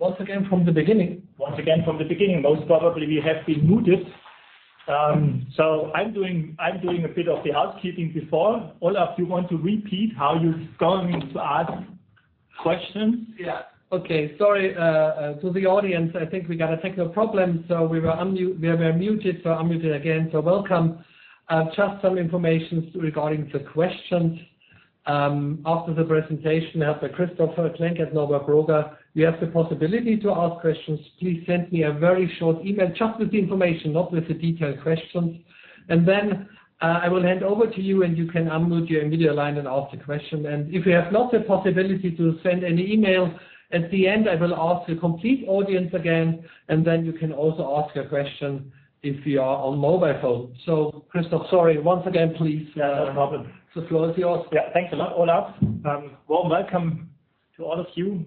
Once again from the beginning. Most probably we have been muted. I'm doing a bit of the housekeeping before. Olaf, you want to repeat how you're going to ask questions? Yeah. Okay. Sorry, to the audience, I think we got a technical problem. We were muted, so unmuted again. Welcome. Just some information regarding the questions. After the presentation, after Christoph Klenk and Norbert Broger, we have the possibility to ask questions. Please send me a very short email just with the information, not with the detailed questions. I will hand over to you, and you can unmute your video line and ask the question. If you have not the possibility to send an email, at the end, I will ask the complete audience again, and then you can also ask a question if you are on mobile phone. Christoph, sorry, once again, please. No problem. The floor is yours. Yeah. Thanks a lot, Olaf. Warm welcome to all of you.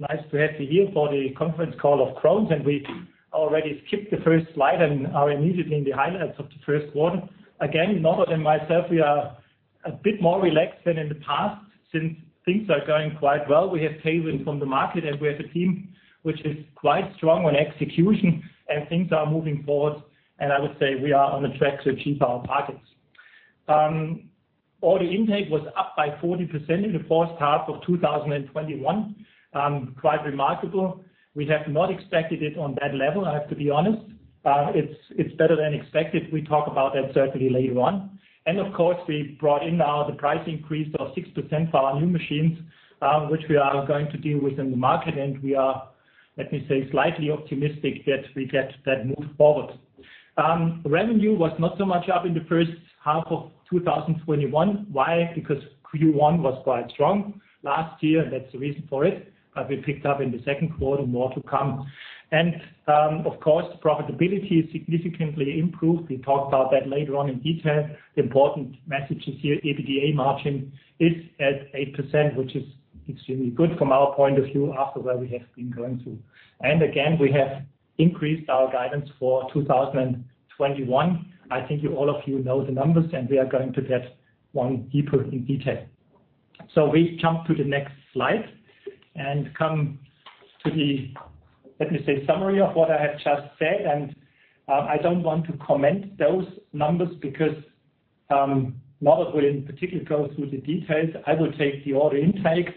Nice to have you here for the conference call of Krones, and we already skipped the first slide and are immediately in the highlights of the first one. Again, Norbert and myself, we are a bit more relaxed than in the past, since things are going quite well. We have tailwind from the market, and we have a team which is quite strong on execution, and things are moving forward. I would say we are on the track to achieve our targets. Order intake was up by 40% in the first half of 2021. Quite remarkable. We have not expected it on that level, I have to be honest. It's better than expected. We talk about that certainly later on. Of course, we brought in now the price increase of 6% for our new machines, which we are going to deal with in the market, and we are, let me say, slightly optimistic that we get that move forward. Revenue was not so much up in the first half of 2021. Why? Q1 was quite strong last year, and that's the reason for it. We picked up in the second quarter, more to come. Of course, profitability significantly improved. We talk about that later on in detail. The important message is here, EBITDA margin is at 8%, which is extremely good from our point of view after where we have been going through. Again, we have increased our guidance for 2021. I think all of you know the numbers, and we are going to get one deeper in detail. We jump to the next slide and come to the, let me say, summary of what I have just said. I don't want to comment those numbers because, Norbert will in particular go through the details. I will take the order intake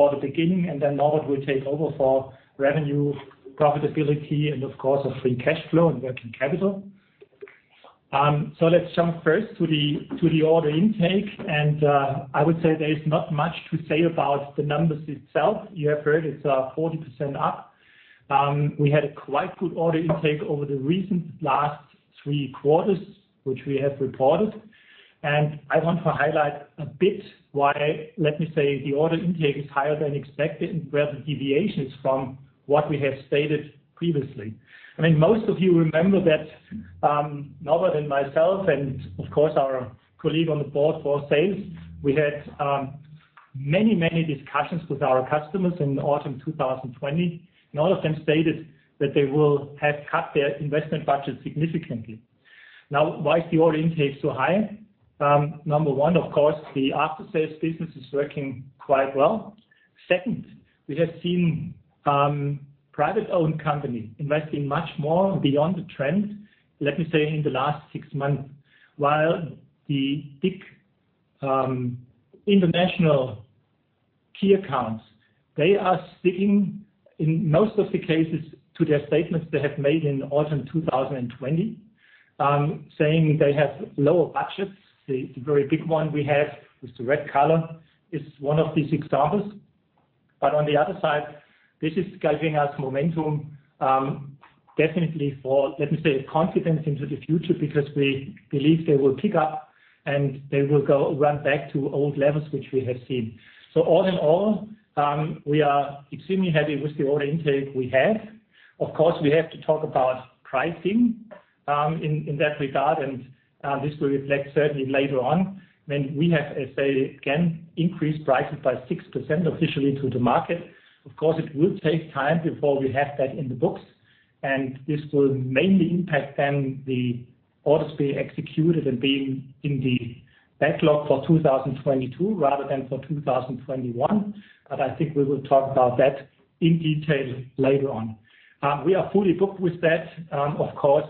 for the beginning, and then Norbert will take over for revenue, profitability, and of course, the free cash flow and working capital. Let's jump first to the order intake. I would say there is not much to say about the numbers itself. You have heard it's 40% up. We had a quite good order intake over the recent last three quarters, which we have reported. I want to highlight a bit why, let me say, the order intake is higher than expected and where the deviation is from what we have stated previously. Most of you remember that, Norbert and myself and, of course, our colleague on the board for sales, we had many discussions with our customers in autumn 2020. All of them stated that they will have cut their investment budget significantly. Now, why is the order intake so high? Number one, of course, the after-sales business is working quite well. Second, we have seen private-owned company investing much more beyond the trend, let me say, in the last six months, while the big international key accounts, they are sticking in most of the cases to their statements they have made in autumn 2020, saying they have lower budgets. The very big one we have with the red color is one of these examples. On the other side, this is giving us momentum, definitely for, let me say, confidence into the future because we believe they will pick up, and they will go run back to old levels, which we have seen. All in all, we are extremely happy with the order intake we have. Of course, we have to talk about pricing, in that regard, and this will reflect certainly later on when we have, let's say, again, increased prices by 6% officially to the market. Of course, it will take time before we have that in the books, and this will mainly impact then the orders being executed and being in the backlog for 2022 rather than for 2021. I think we will talk about that in detail later on. We are fully booked with that, of course,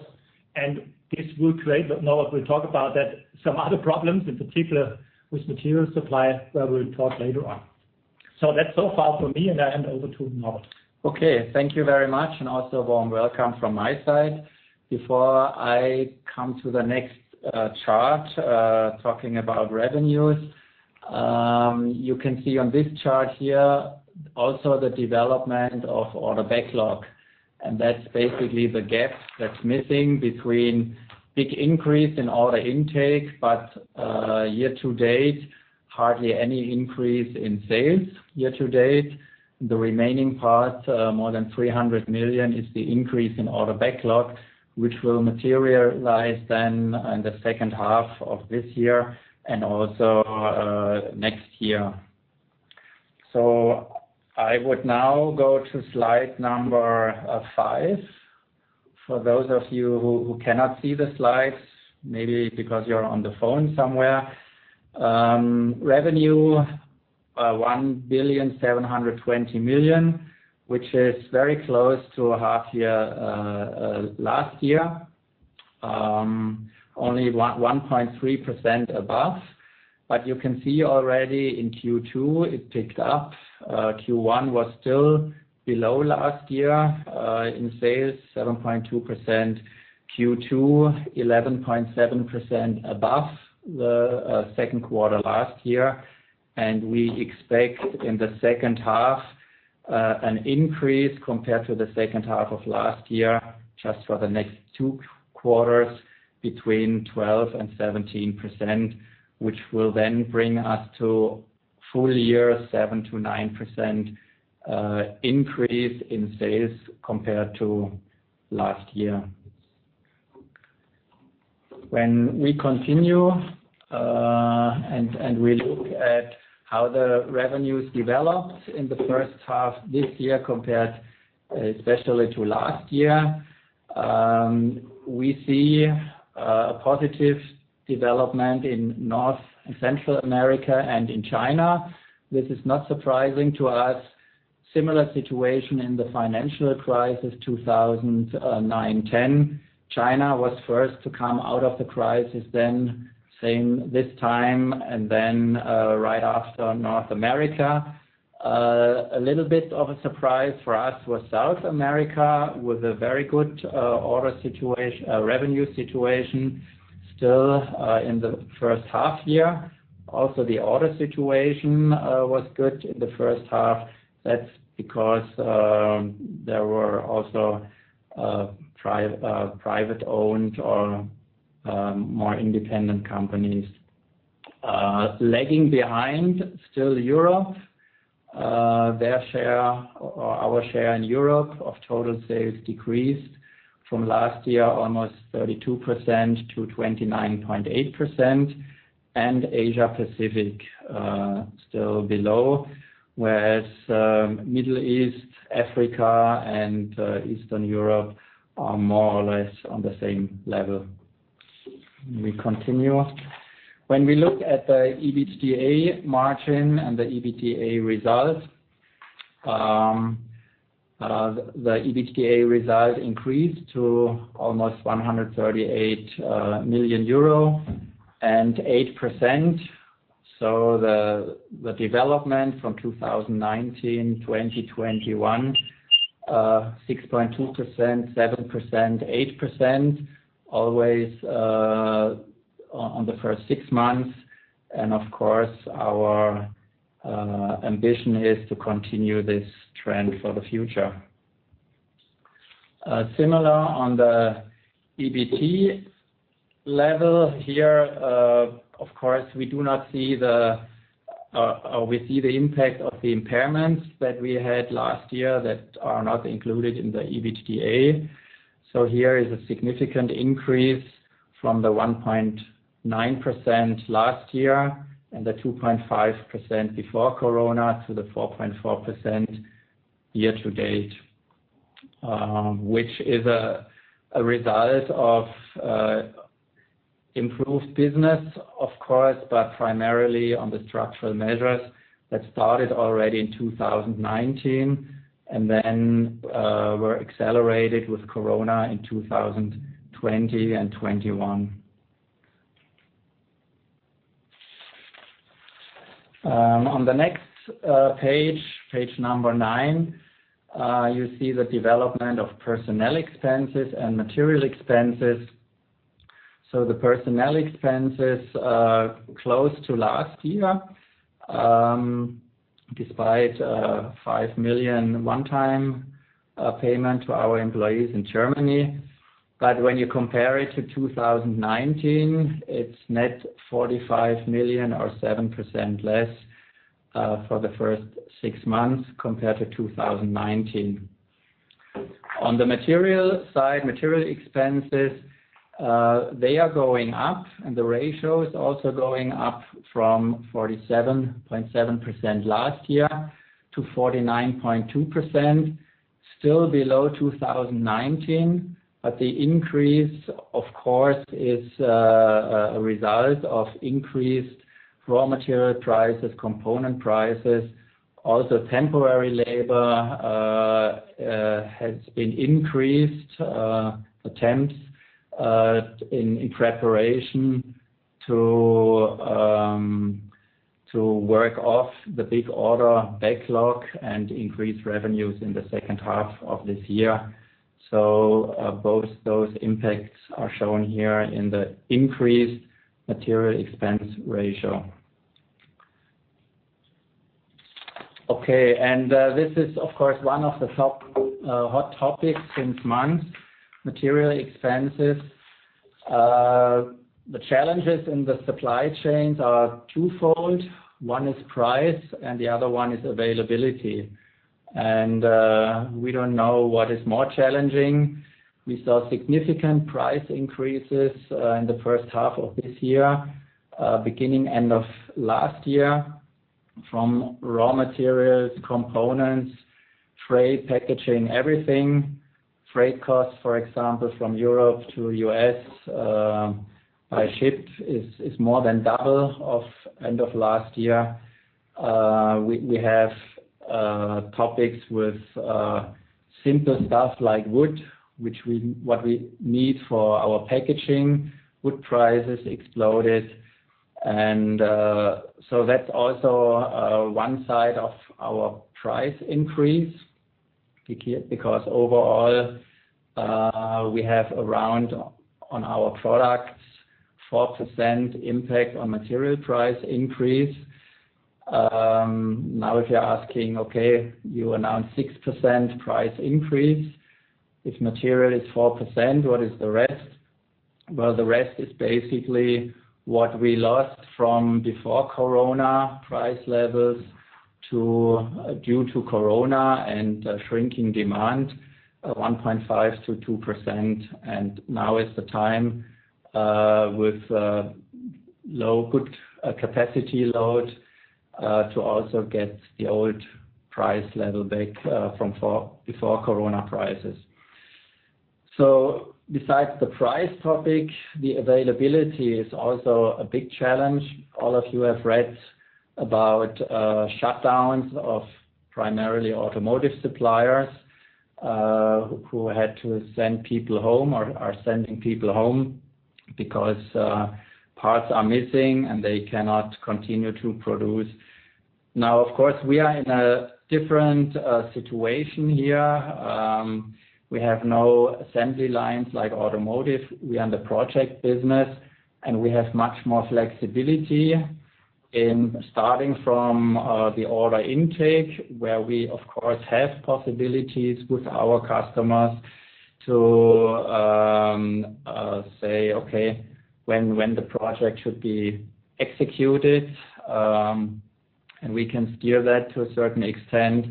and this will create, but Norbert will talk about that, some other problems, in particular with material supply, where we'll talk later on. That's so far for me, and I hand over to Norbert. Thank you very much, and also warm welcome from my side. Before I come to the next chart, talking about revenues. You can see on this chart here also the development of order backlog, and that's basically the gap that's missing between big increase in order intake, but year to date, hardly any increase in sales year to date. The remaining part, more than 300 million, is the increase in order backlog, which will materialize then in the second half of this year and also next year. I would now go to slide number five. For those of you who cannot see the slides, maybe because you're on the phone somewhere. Revenue, 1,720 million, which is very close to half year last year. Only 1.3% above. You can see already in Q2, it picked up. Q1 was still below last year in sales, 7.2%. Q2, 11.7% above the second quarter last year. We expect in the second half, an increase compared to the second half of last year, just for the next two quarters, between 12% and 17%, which will then bring us to full year, 7%-9% increase in sales compared to last year. When we continue, we look at how the revenues developed in the first half this year compared especially to last year, we see a positive development in North and Central America and in China. This is not surprising to us. Similar situation in the financial crisis 2009/10, China was first to come out of the crisis then, same this time, and then, right after, North America. A little bit of a surprise for us was South America with a very good revenue situation still in the first half year. The order situation was good in the first half. That's because there were also private-owned or more independent companies. Lagging behind, still Europe. Our share in Europe of total sales decreased from last year, almost 32% to 29.8%. Asia Pacific, still below, whereas Middle East, Africa, and Eastern Europe are more or less on the same level. We continue. When we look at the EBITDA margin and the EBITDA results. The EBITDA result increased to almost 138 million euro and 8%. The development from 2019, 2021, 6.2%, 7%, 8%, always on the first six months. Of course, our ambition is to continue this trend for the future. Similar on the EBT level here. Of course, we see the impact of the impairments that we had last year that are not included in the EBITDA. Here is a significant increase from the 1.9% last year and the 2.5% before Corona to the 4.4% year-to-date, which is a result of improved business, of course, but primarily on the structural measures that started already in 2019 and then were accelerated with Corona in 2020 and 2021. On the next page number nine, you see the development of personnel expenses and material expenses. The personnel expenses are close to last year, despite a 5 million one-time payment to our employees in Germany. When you compare it to 2019, it's net 45 million or 7% less for the first six months compared to 2019. On the material side, material expenses, they are going up and the ratio is also going up from 47.7% last year to 49.2%. Still below 2019, the increase, of course, is a result of increased raw material prices, component prices. Also, temporary labor has been increased, attempts in preparation to work off the big order backlog and increase revenues in the second half of this year. Both those impacts are shown here in the increased material expense ratio. Okay. This is, of course, one of the top hot topics since months, material expenses. The challenges in the supply chains are twofold. One is price and the other one is availability. We don't know what is more challenging. We saw significant price increases in the first half of this year, beginning end of last year. From raw materials, components, freight, packaging, everything. Freight costs, for example, from Europe to U.S. by ship is more than double of end of last year. We have topics with simple stuff like wood, what we need for our packaging. Wood prices exploded. That's also one side of our price increase, because overall, we have around, on our products, 4% impact on material price increase. Now if you're asking, "Okay, you announced 6% price increase. If material is 4%, what is the rest?" Well, the rest is basically what we lost from before corona price levels due to corona and shrinking demand of 1.5% to 2%. Now is the time, with low good capacity load, to also get the old price level back from before corona prices. Besides the price topic, the availability is also a big challenge. All of you have read about shutdowns of primarily automotive suppliers, who had to send people home or are sending people home because parts are missing, and they cannot continue to produce. Of course, we are in a different situation here. We have no assembly lines like automotive. We are in the project business, we have much more flexibility in starting from the order intake, where we, of course, have possibilities with our customers to say, "Okay, when the project should be executed," and we can steer that to a certain extent.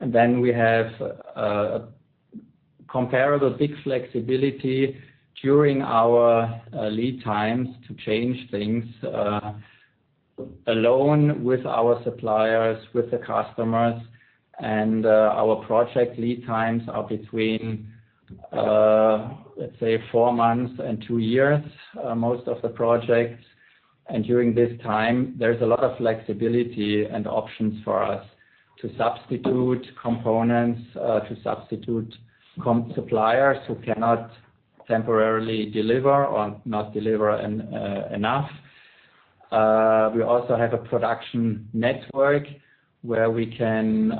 We have comparable big flexibility during our lead times to change things, alone with our suppliers, with the customers, and our project lead times are between, let's say, four months and two years, most of the projects. During this time, there's a lot of flexibility and options for us to substitute components, to substitute suppliers who cannot temporarily deliver or not deliver enough. We also have a production network where we can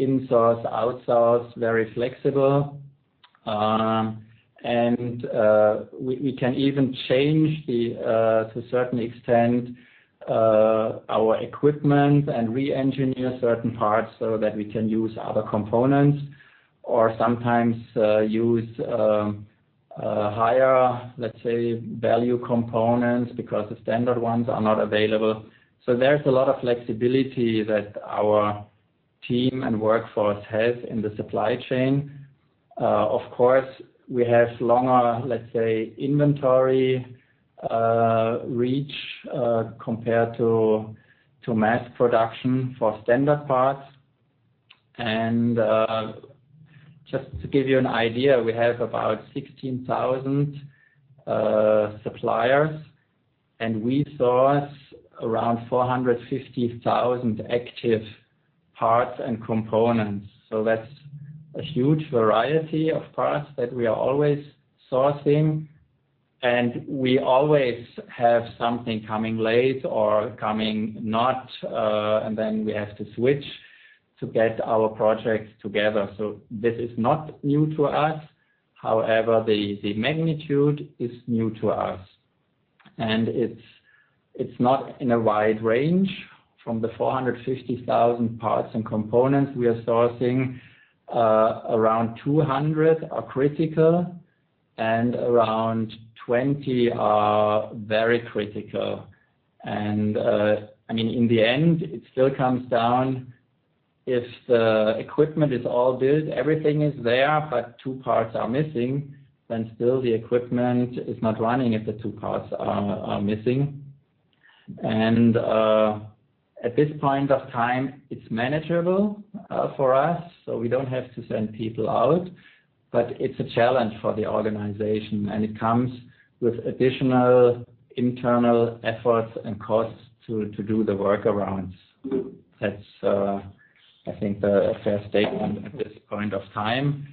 insource, outsource, very flexible. We can even change, to a certain extent, our equipment and re-engineer certain parts so that we can use other components. Sometimes use higher, let's say, value components because the standard ones are not available. There's a lot of flexibility that our team and workforce have in the supply chain. Of course, we have longer, let's say, inventory reach compared to mass production for standard parts. Just to give you an idea, we have about 16,000 suppliers, and we source around 450,000 active parts and components. That's a huge variety of parts that we are always sourcing, and we always have something coming late or coming not, and then we have to switch to get our projects together. This is not new to us. However, the magnitude is new to us. It's not in a wide range from the 450,000 parts and components we are sourcing, around 200 are critical and around 20 are very critical. In the end, it still comes down, if the equipment is all built, everything is there, but two parts are missing, then still the equipment is not running if the two parts are missing. At this point of time, it's manageable for us, so we don't have to send people out, but it's a challenge for the organization, and it comes with additional internal efforts and costs to do the workarounds. That's, I think, a fair statement at this point of time.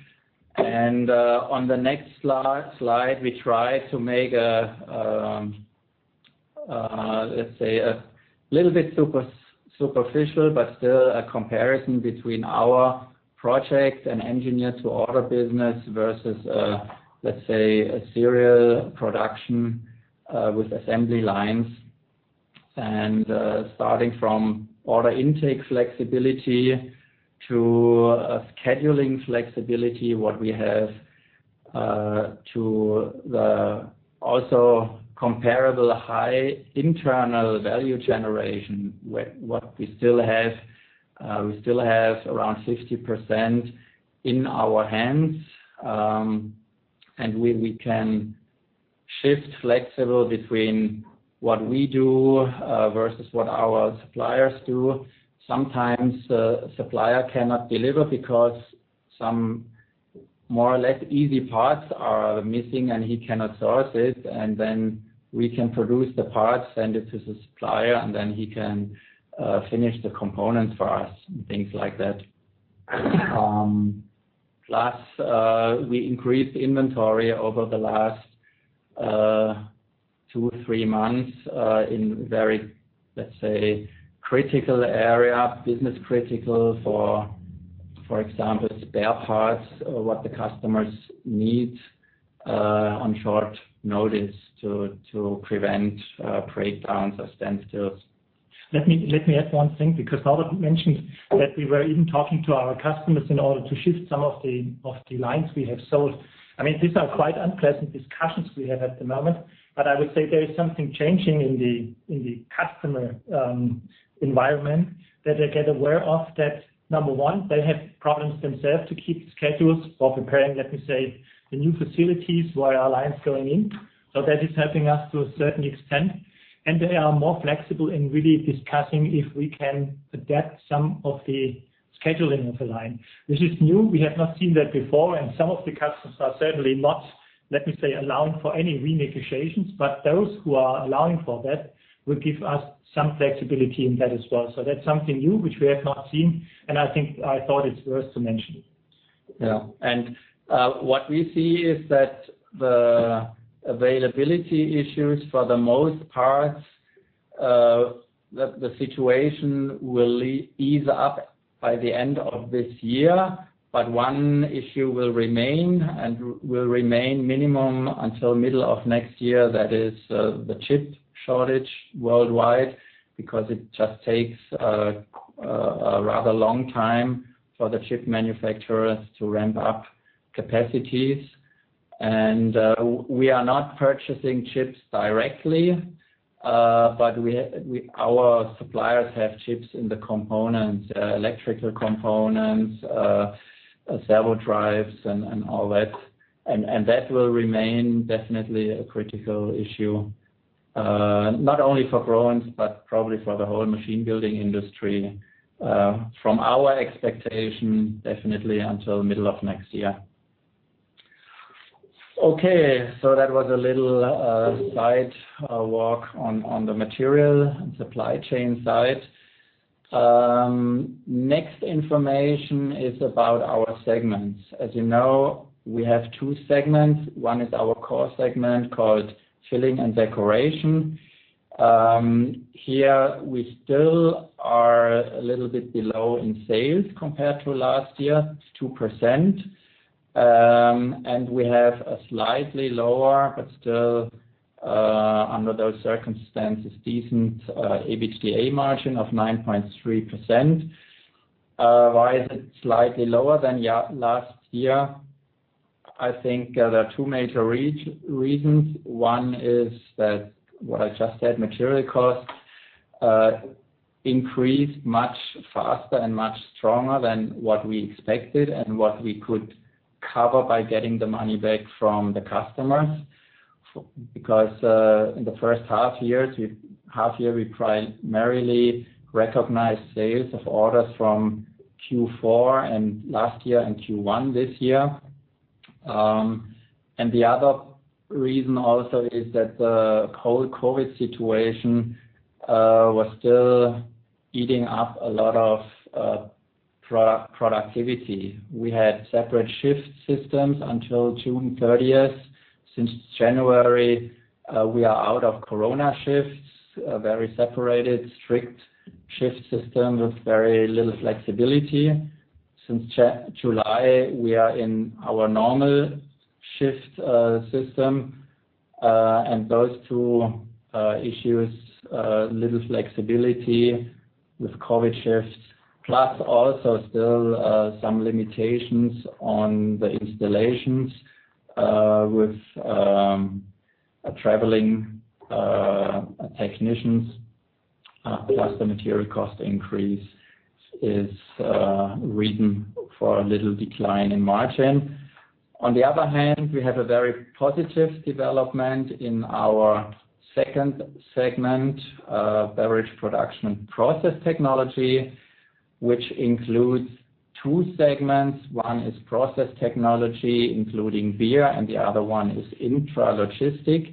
On the next slide, we try to make a, let's say, a little bit superficial, but still a comparison between our project and engineer to order business versus, let's say, a serial production with assembly lines. Starting from order intake flexibility to scheduling flexibility, what we have to the also comparable high internal value generation, what we still have. We still have around 50% in our hands. We can shift flexible between what we do versus what our suppliers do. Sometimes a supplier cannot deliver because some more or less easy parts are missing and he cannot source it. Then we can produce the parts, send it to the supplier, and then he can finish the components for us and things like that. We increased the inventory over the last two or three months in very, let's say, critical area, business critical, for example, spare parts or what the customers need on short notice to prevent breakdowns or standstills. Let me add one thing, because Norbert mentioned that we were even talking to our customers in order to shift some of the lines we have sold. These are quite unpleasant discussions we have at the moment, but I would say there is something changing in the customer environment that they get aware of that, number one, they have problems themselves to keep schedules for preparing, let me say, the new facilities where our line's going in. That is helping us to a certain extent, they are more flexible in really discussing if we can adapt some of the scheduling of the line. This is new. We have not seen that before, some of the customers are certainly not, let me say, allowing for any renegotiations. Those who are allowing for that will give us some flexibility in that as well. That's something new which we have not seen, and I thought it's worth to mention. Yeah. What we see is that the availability issues for the most parts, the situation will ease up by the end of this year, but one issue will remain and will remain minimum until middle of next year. That is, the chip shortage worldwide, because it just takes a rather long time for the chip manufacturers to ramp up capacities. We are not purchasing chips directly, but our suppliers have chips in the electrical components, servo drives and all that. That will remain definitely a critical issue, not only for Krones, but probably for the whole machine building industry, from our expectation, definitely until middle of next year. Okay, that was a little side walk on the material and supply chain side. Next information is about our segments. As you know, we have two segments. one is our core segment called Filling and Decoration Here, we still are a little bit below in sales compared to last year, 2%. We have a slightly lower, but still under those circumstances, decent EBITDA margin of 9.3%. Why is it slightly lower than last year? I think there are two major reasons. One is that what I just said, material costs increased much faster and much stronger than what we expected and what we could cover by getting the money back from the customers. In the first half year, we primarily recognized sales of orders from Q4 and last year and Q1 this year. The other reason also is that the whole COVID situation was still eating up a lot of productivity. We had separate shift systems until June 30th. Since January, we are out of corona shifts, very separated, strict shift system with very little flexibility. Since July, we are in our normal shift system, those two issues, little flexibility with COVID-19 shifts, plus also still some limitations on the installations, with traveling technicians, plus the material cost increase is reason for a little decline in margin. On the other hand, we have a very positive development in our second segment, Beverage Production and Process Technology, which includes two segments. One is Process Technology, including beer, and the other one is Intralogistics.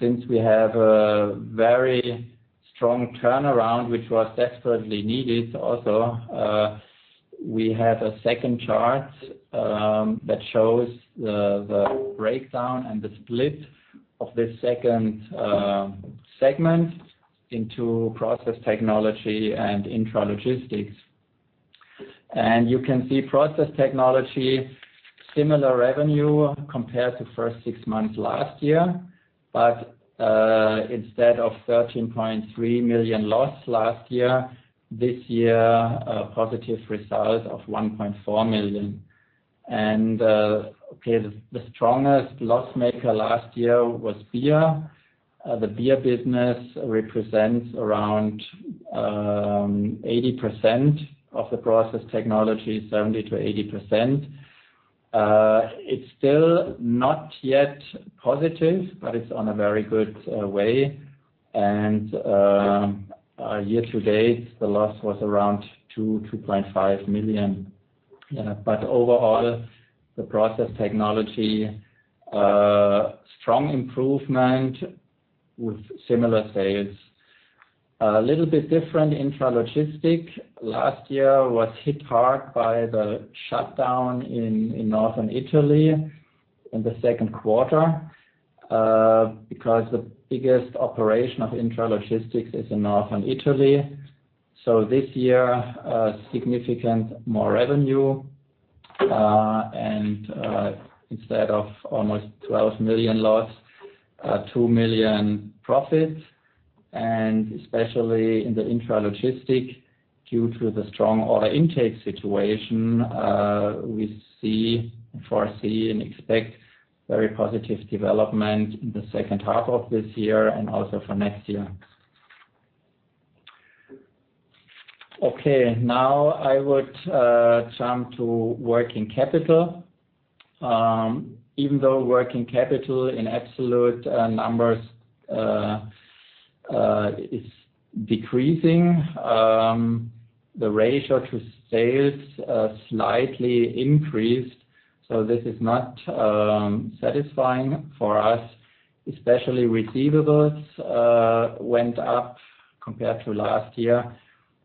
Since we have a very strong turnaround, which was desperately needed also, we have a second chart that shows the breakdown and the split of the second segment into Process Technology and Intralogistics. You can see Process Technology, similar revenue compared to first six months last year. Instead of 13.3 million loss last year, this year, a positive result of 1.4 million. Okay, the strongest loss maker last year was beer. The beer business represents around 80% of the Process Technology, 70%-80%. It's still not yet positive, it's on a very good way. Year to date, the loss was around 2 million-2.5 million. Overall, the Process Technology, strong improvement with similar sales. A little bit different Intralogistics. Last year was hit hard by the shutdown in Northern Italy in the second quarter, because the biggest operation of Intralogistics is in Northern Italy. This year, significant more revenue, and instead of almost 12 million loss, 2 million profit, and especially in the Intralogistics, due to the strong order intake situation, we foresee and expect very positive development in the second half of this year and also for next year. Okay. Now I would jump to working capital. Even though working capital in absolute numbers is decreasing, the ratio to sales slightly increased. This is not satisfying for us, especially receivables went up compared to last year.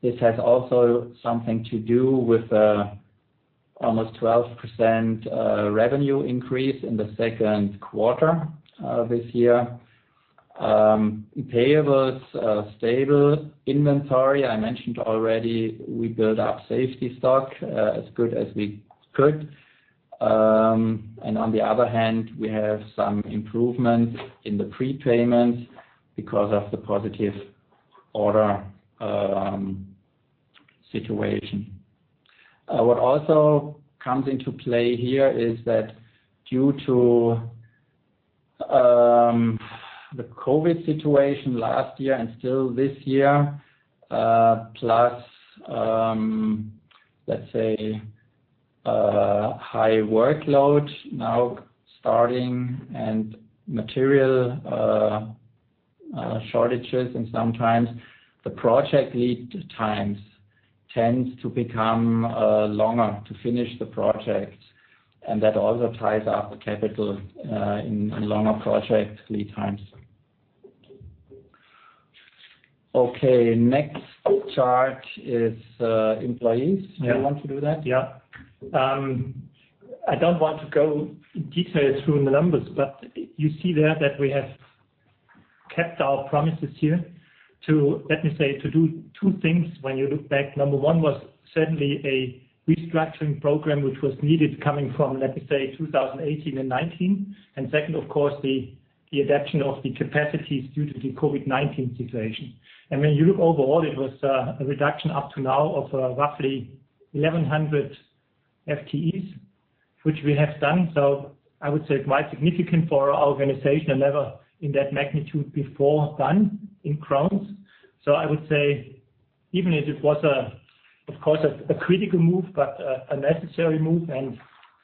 This has also something to do with almost 12% revenue increase in the second quarter of this year. Payables are stable. Inventory, I mentioned already, we build up safety stock as good as we could. On the other hand, we have some improvement in the prepayments because of the positive order situation. What also comes into play here is that due to the COVID-19 situation last year and still this year, plus, let's say, high workload now starting and material shortages, and sometimes the project lead times tends to become longer to finish the project. That also ties up the capital in longer project lead times. Okay, next chart is employees. Do you want to do that? Yeah. I don't want to go in detail through the numbers, but you see there that we have kept our promises here to, let me say, to do two things when you look back. Number one was certainly a restructuring program which was needed coming from, let me say, 2018 and 2019. Second, of course, the adaptation of the capacities due to the COVID-19 situation. When you look overall, it was a reduction up to now of roughly 1,100 FTEs, which we have done. I would say quite significant for our organization, never in that magnitude before done in Krones. I would say even if it was of course, a critical move, but a necessary move.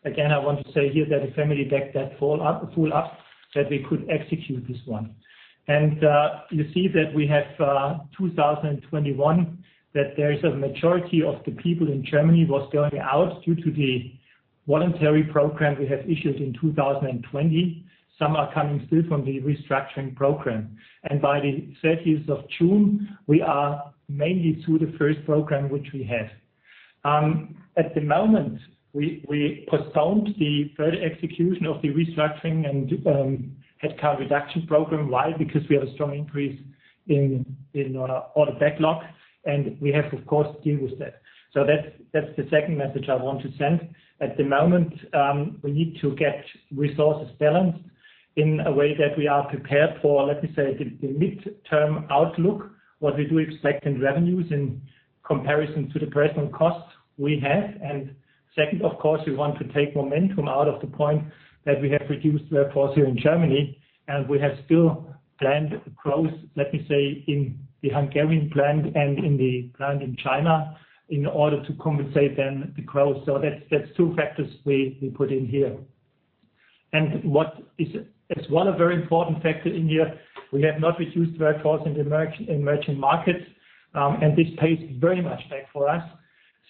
Again, I want to say here that the family backed that full up, that we could execute this one. You see that we have, 2021, that there is a majority of the people in Germany was going out due to the voluntary program we have issued in 2020. Some are coming still from the restructuring program. By the 30th of June, we are mainly through the first program which we have. At the moment, we postponed the further execution of the restructuring and headcount reduction program. Why? Because we have a strong increase in order backlog, and we have, of course, to deal with that. That's the second message I want to send. At the moment, we need to get resources balanced in a way that we are prepared for, let me say, the midterm outlook, what we do expect in revenues in comparison to the present costs we have. Second, of course, we want to take momentum out of the point that we have reduced workforce here in Germany, and we have still planned growth, let me say, in the Hungarian plant and in the plant in China in order to compensate then the growth. That's two factors we put in here. What is one a very important factor in here, we have not reduced workforce in the emerging markets, and this pays very much back for us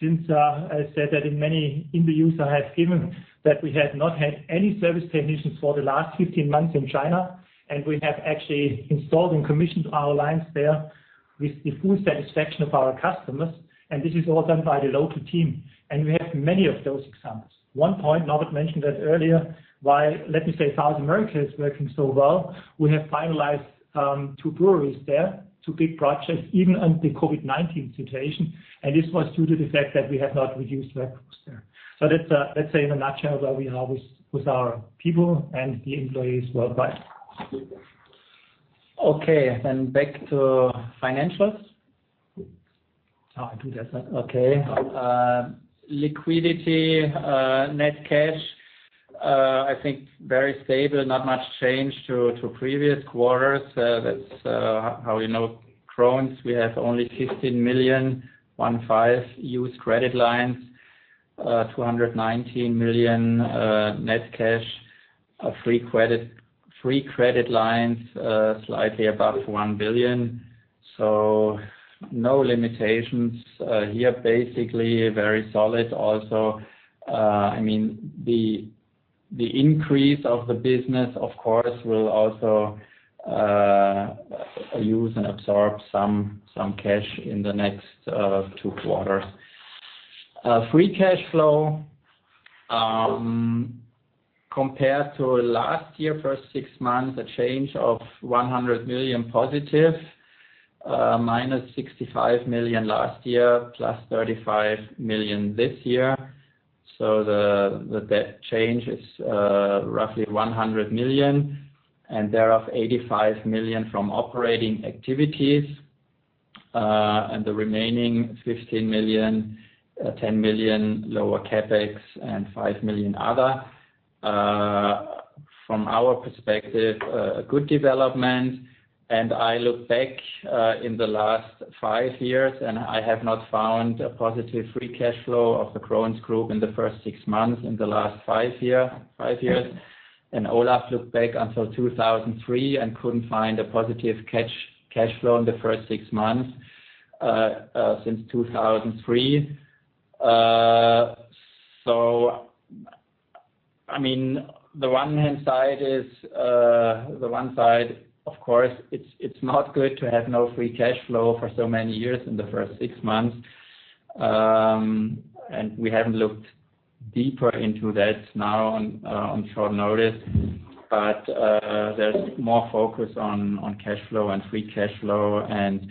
since I said that in many interviews I have given that we have not had any service technicians for the last 15 months in China, and we have actually installed and commissioned our lines there with the full satisfaction of our customers, and this is all done by the local team. We have many of those examples. One point, Norbert mentioned that earlier, why, let me say, South America is working so well. We have finalized two breweries there, two big projects, even under the COVID-19 situation, and this was due to the fact that we have not reduced workforce there. That's, let's say, in a nutshell, where we are with our people and the employees worldwide. Back to financials. I do that. Okay. Liquidity, net cash, I think very stable, not much change to previous quarters. That's how you know Krones, we have only 15 million, one, five, used credit lines, 219 million net cash. Free credit lines, slightly above 1 billion, no limitations here, basically very solid also. The increase of the business, of course, will also use and absorb some cash in the next two quarters. Free cash flow, compared to last year, first six months, a change of 100 million positive, -65 million last year, +35 million this year. The debt change is roughly 100 million, and thereof, 85 million from operating activities. The remaining 15 million, 10 million lower CapEx and 5 million other. From our perspective, a good development. I look back in the last five years, I have not found a positive free cash flow of the Krones Group in the first six months in the last five years. Olaf looked back until 2003 and couldn't find a positive cash flow in the first six months, since 2003. The one side, of course, it's not good to have no free cash flow for so many years in the first six months. We haven't looked deeper into that now on short notice. There's more focus on cash flow and free cash flow, and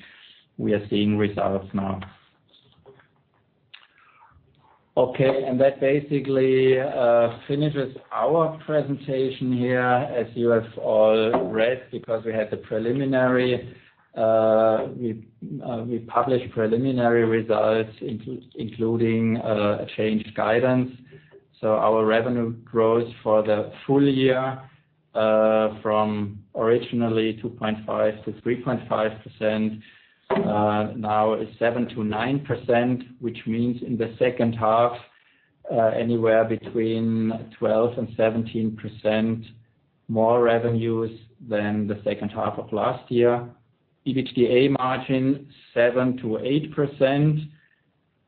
we are seeing results now. That basically finishes our presentation here. As you have all read, because we published preliminary results, including a changed guidance. Our revenue growth for the full year, from originally 2.5%-3.5%, now is 7%-9%, which means in the second half, anywhere between 12% and 17% more revenues than the second half of last year. EBITDA margin 7%-8%.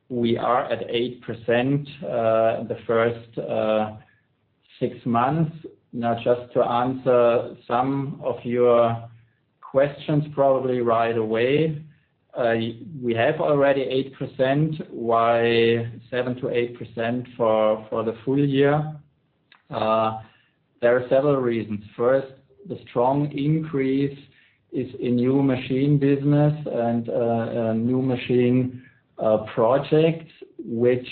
We are at 8% the first six months. Just to answer some of your questions probably right away. We have already 8%, why 7%-8% for the full year? There are several reasons. First, the strong increase is in new machine business and new machine projects, which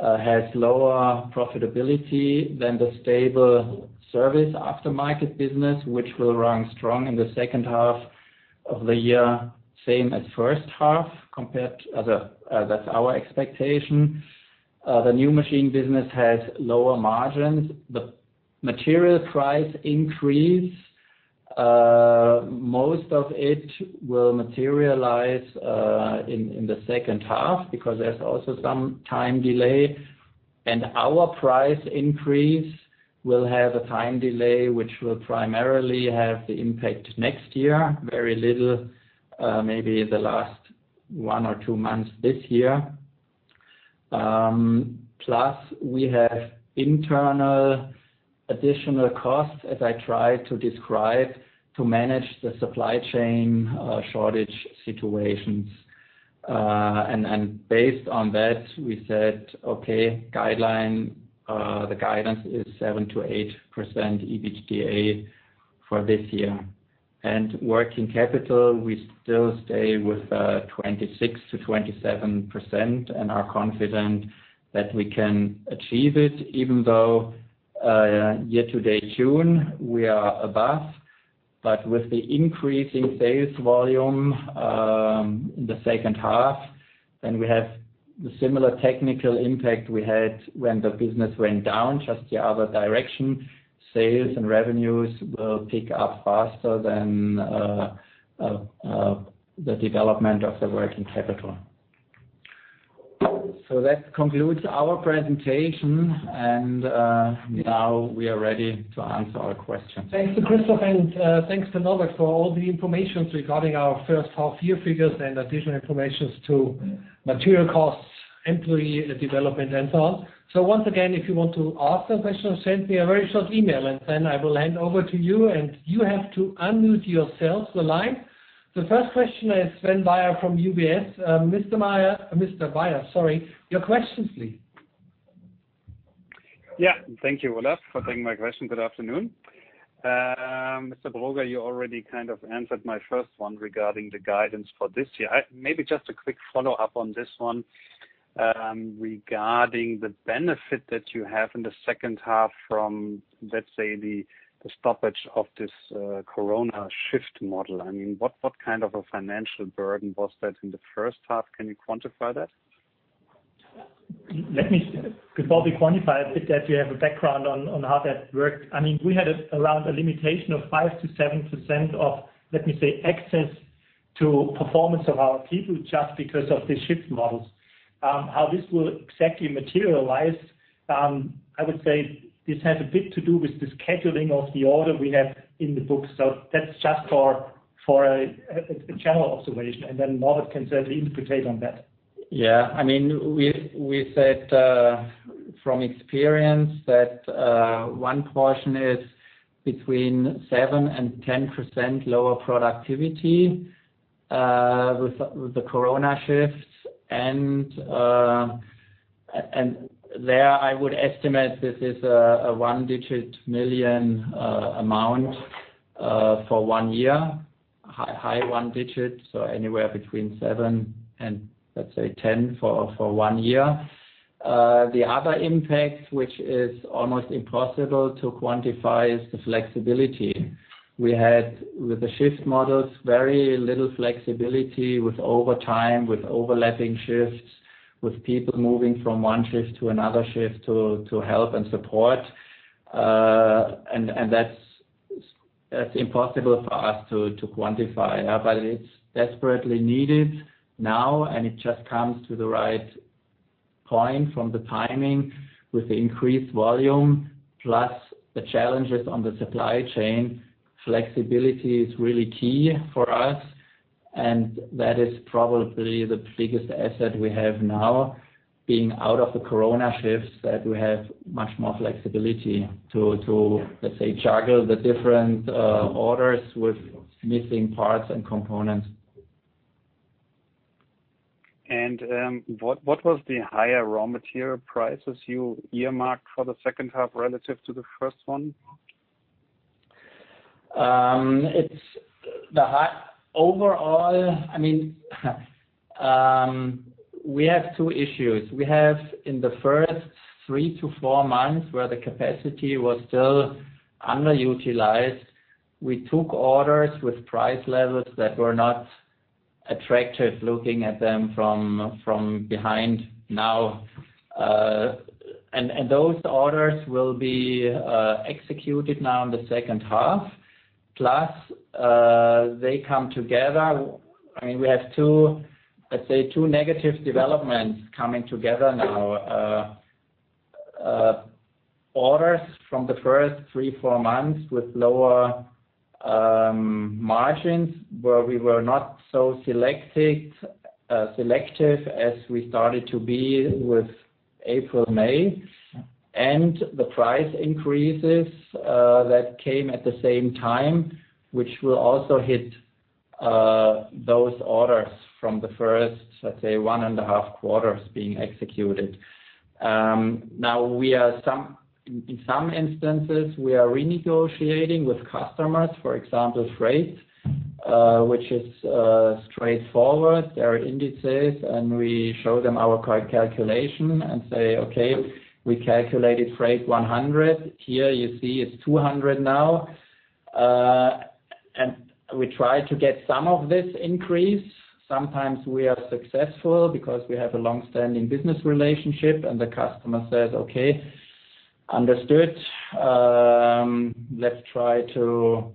has lower profitability than the stable service aftermarket business, which will run strong in the second half of the year, same as first half. That's our expectation. The new machine business has lower margins. The material price increase, most of it will materialize in the second half because there's also some time delay. Our price increase will have a time delay, which will primarily have the impact next year, very little, maybe the last one or two months this year. We have internal additional costs, as I tried to describe, to manage the supply chain shortage situations. Based on that, we said, okay, the guidance is 7%-8% EBITDA for this year. Working capital, we still stay with 26%-27% and are confident that we can achieve it, even though year to date June, we are above. With the increase in sales volume in the second half, then we have the similar technical impact we had when the business went down, just the other direction. Sales and revenues will pick up faster than the development of the working capital. That concludes our presentation, and now we are ready to answer all questions. Thanks to Christoph, and thanks to Norbert Broger for all the information regarding our first half year figures and additional information to material costs, employee development, and so on. Once again, if you want to ask a question, send me a very short email, and then I will hand over to you, and you have to unmute yourself to the line. The first question is Sven Weier from UBS. Mr. Weier, your questions, please. Yeah. Thank you, Olaf, for taking my question. Good afternoon. Mr. Broger, you already kind of answered my first one regarding the guidance for this year. Maybe just a quick follow-up on this one. Regarding the benefit that you have in the second half from, let's say, the stoppage of this corona shift model. What kind of a financial burden was that in the first half? Can you quantify that? Before we quantify it, that you have a background on how that worked. We had around a limitation of 5%-7% of, let me say, access to performance of our people just because of the shift models. How this will exactly materialize, I would say this has a bit to do with the scheduling of the order we have in the books. That's just for a general observation, and then Norbert Broger can certainly meditate on that. Yeah. We said from experience that one portion is between 7% and 10% lower productivity, with the corona shifts. There, I would estimate this is a EUR 1-digit million amount for one year. High one digit, so anywhere between 7 million and, let's say, 10 million for one year. The other impact, which is almost impossible to quantify, is the flexibility. We had, with the shift models, very little flexibility with overtime, with overlapping shifts, with people moving from one shift to another shift to help and support. That's impossible for us to quantify. It's desperately needed now, and it just comes to the right point from the timing with the increased volume plus the challenges on the supply chain. Flexibility is really key for us, and that is probably the biggest asset we have now, being out of the corona shifts, that we have much more flexibility to, let's say, juggle the different orders with missing parts and components. What was the higher raw material prices you earmarked for the second half relative to the first one? Overall, we have two issues. We have in the first three to four months where the capacity was still underutilized. We took orders with price levels that were not attractive looking at them from behind now. Those orders will be executed now in the second half. Plus, they come together. We have two negative developments coming together now. Orders from the first three, four months with lower margins, where we were not so selective as we started to be with April, May. The price increases that came at the same time, which will also hit those orders from the first, let's say, one and a half quarters being executed. Now, in some instances, we are renegotiating with customers, for example, freight, which is straightforward. There are indices. We show them our calculation and say, "Okay, we calculated freight 100. Here you see it's 200 now. We try to get some of this increase. Sometimes we are successful because we have a long-standing business relationship and the customer says, "Okay, understood. Let's try to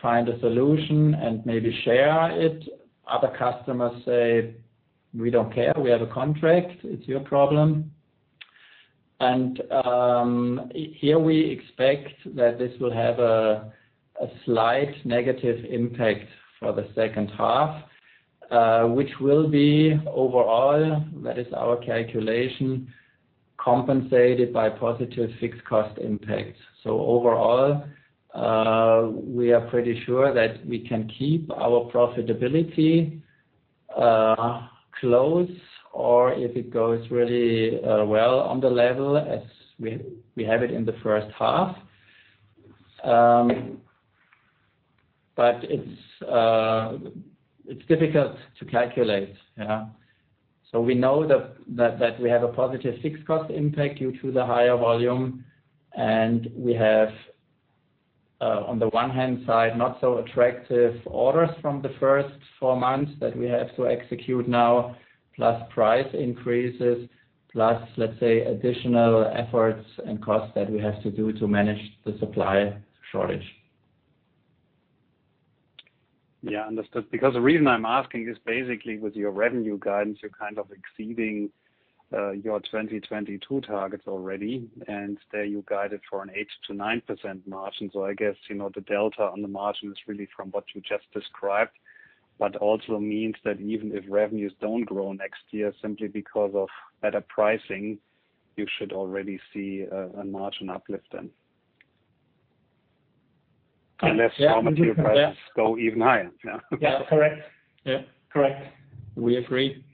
find a solution and maybe share it." Other customers say, "We don't care. We have a contract. It's your problem." Here we expect that this will have a slight negative impact for the second half, which will be overall, that is our calculation, compensated by positive fixed cost impact. Overall, we are pretty sure that we can keep our profitability close, or if it goes really well on the level as we have it in the first half. It's difficult to calculate. We know that we have a positive fixed cost impact due to the higher volume, and we have, on the one-hand side, not so attractive orders from the first four months that we have to execute now, plus price increases, plus, let's say, additional efforts and costs that we have to do to manage the supply shortage. Yeah, understood. Because the reason I'm asking is basically with your revenue guidance, you're kind of exceeding your 2022 targets already, and there you guided for an 8%-9% margin. I guess, the delta on the margin is really from what you just described, but also means that even if revenues don't grow next year simply because of better pricing, you should already see a margin uplift then. Unless raw material prices go even higher. Yeah, correct. Yeah. Correct. We agree.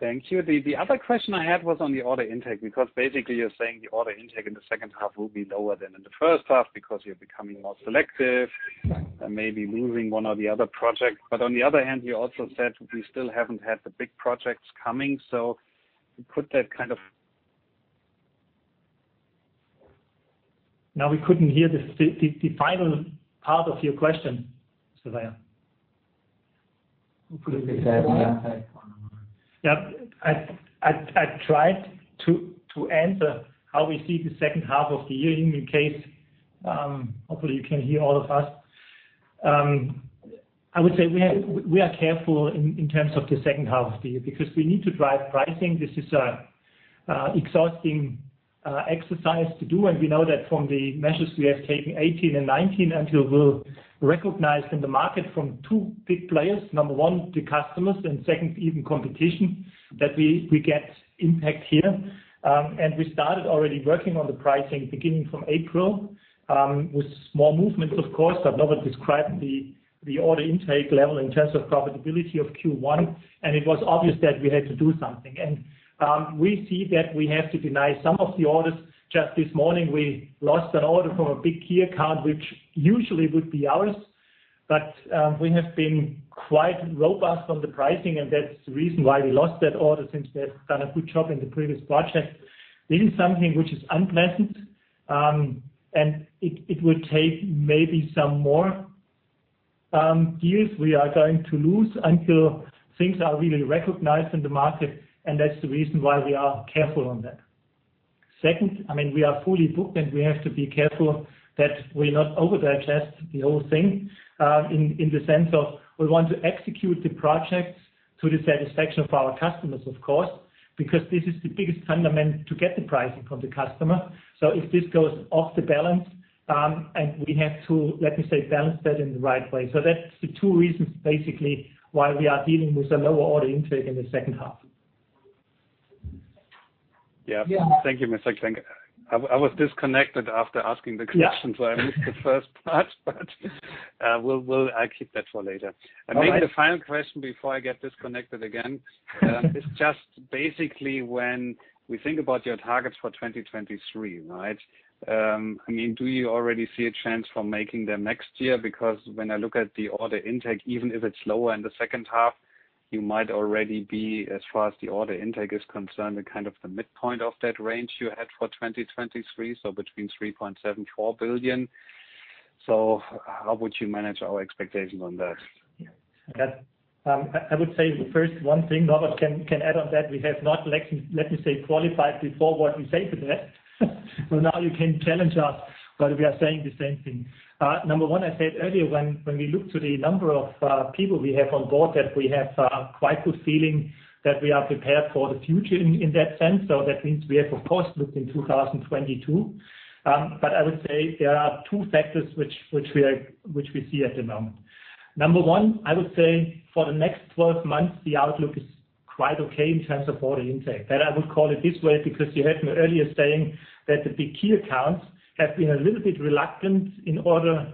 Thank you. The other question I had was on the order intake, because basically you're saying the order intake in the second half will be lower than in the first half because you're becoming more selective and maybe losing one or the other project. On the other hand, you also said we still haven't had the big projects coming. Now we couldn't hear the final part of your question, Sven. Could you repeat that last part? Yep. I tried to answer how we see the second half of the year in case, hopefully you can hear all of us. I would say we are careful in terms of the second half of the year, because we need to drive pricing. This is an exhausting exercise to do, and we know that from the measures we have taken 2018 and 2019, until we're recognized in the market from two big players. Number 1, the customers, and second, even competition, that we get impact here. We started already working on the pricing beginning from April, with small movements of course. Norbert described the order intake level in terms of profitability of Q1, and it was obvious that we had to do something. We see that we have to deny some of the orders. Just this morning, we lost an order from a big key account, which usually would be ours. We have been quite robust on the pricing, and that's the reason why we lost that order since they've done a good job in the previous project. This is something which is unpleasant, and it will take maybe some more deals we are going to lose until things are really recognized in the market, and that's the reason why we are careful on that. Second, we are fully booked, and we have to be careful that we're not overdo it the whole thing, in the sense of we want to execute the projects to the satisfaction of our customers, of course, because this is the biggest fundament to get the pricing from the customer. If this goes off the balance, and we have to, let me say, balance that in the right way. That's the 2 reasons, basically, why we are dealing with a lower order intake in the second half. Yeah. Thank you, Mr. Klenk. I was disconnected after asking the question. Yeah I missed the first part, but I'll keep that for later. All right. Maybe the final question before I get disconnected again. It's just basically when we think about your targets for 2023, right? Do you already see a chance for making them next year? When I look at the order intake, even if it's lower in the second half, you might already be, as far as the order intake is concerned, at kind of the midpoint of that range you had for 2023, between 3.74 billion. How would you manage our expectation on that? Yeah. I would say first, one thing, Norbert can add on that, we have not, let me say, qualified before what we say to that. Now you can challenge us whether we are saying the same thing. Number one, I said earlier, when we look to the number of people we have on board, that we have quite good feeling that we are prepared for the future in that sense. That means we have of course looked in 2022. I would say there are two factors which we see at the moment. Number one, I would say for the next 12 months, the outlook is quite okay in terms of order intake. That I would call it this way, because you heard me earlier saying that the big key accounts have been a little bit reluctant in order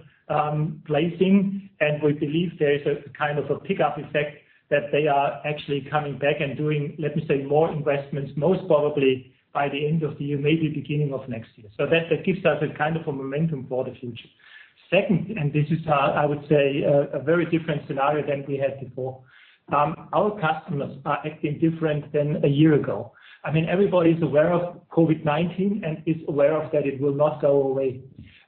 placing. We believe there is a kind of a pickup effect that they are actually coming back and doing, let me say, more investments, most probably by the end of the year, maybe beginning of next year. That gives us a kind of a momentum for the future. Second, this is, I would say, a very different scenario than we had before. Our customers are acting different than a year ago. Everybody's aware of COVID-19 and is aware of that it will not go away.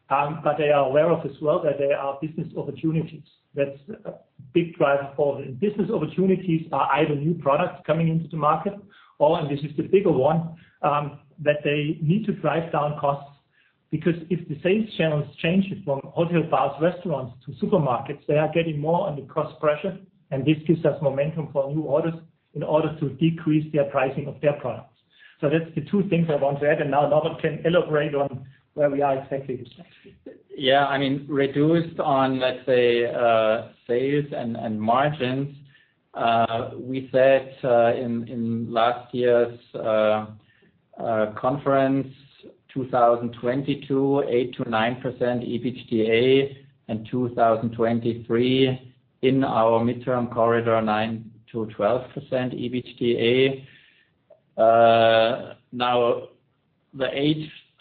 They are aware of as well that there are business opportunities. That's a big driver for them. Business opportunities are either new products coming into the market, or, and this is the bigger one, that they need to drive down costs. If the sales channels changes from hotel, bars, restaurants to supermarkets, they are getting more under cost pressure. This gives us momentum for new orders in order to decrease their pricing of their products. That's the two things I want to add, and now Norbert can elaborate on where we are exactly. Yeah. Reduced on, let's say, sales and margins. We said in last year's conference 2022, 8%-9% EBITDA, 2023 in our midterm corridor, 9%-12% EBITDA. The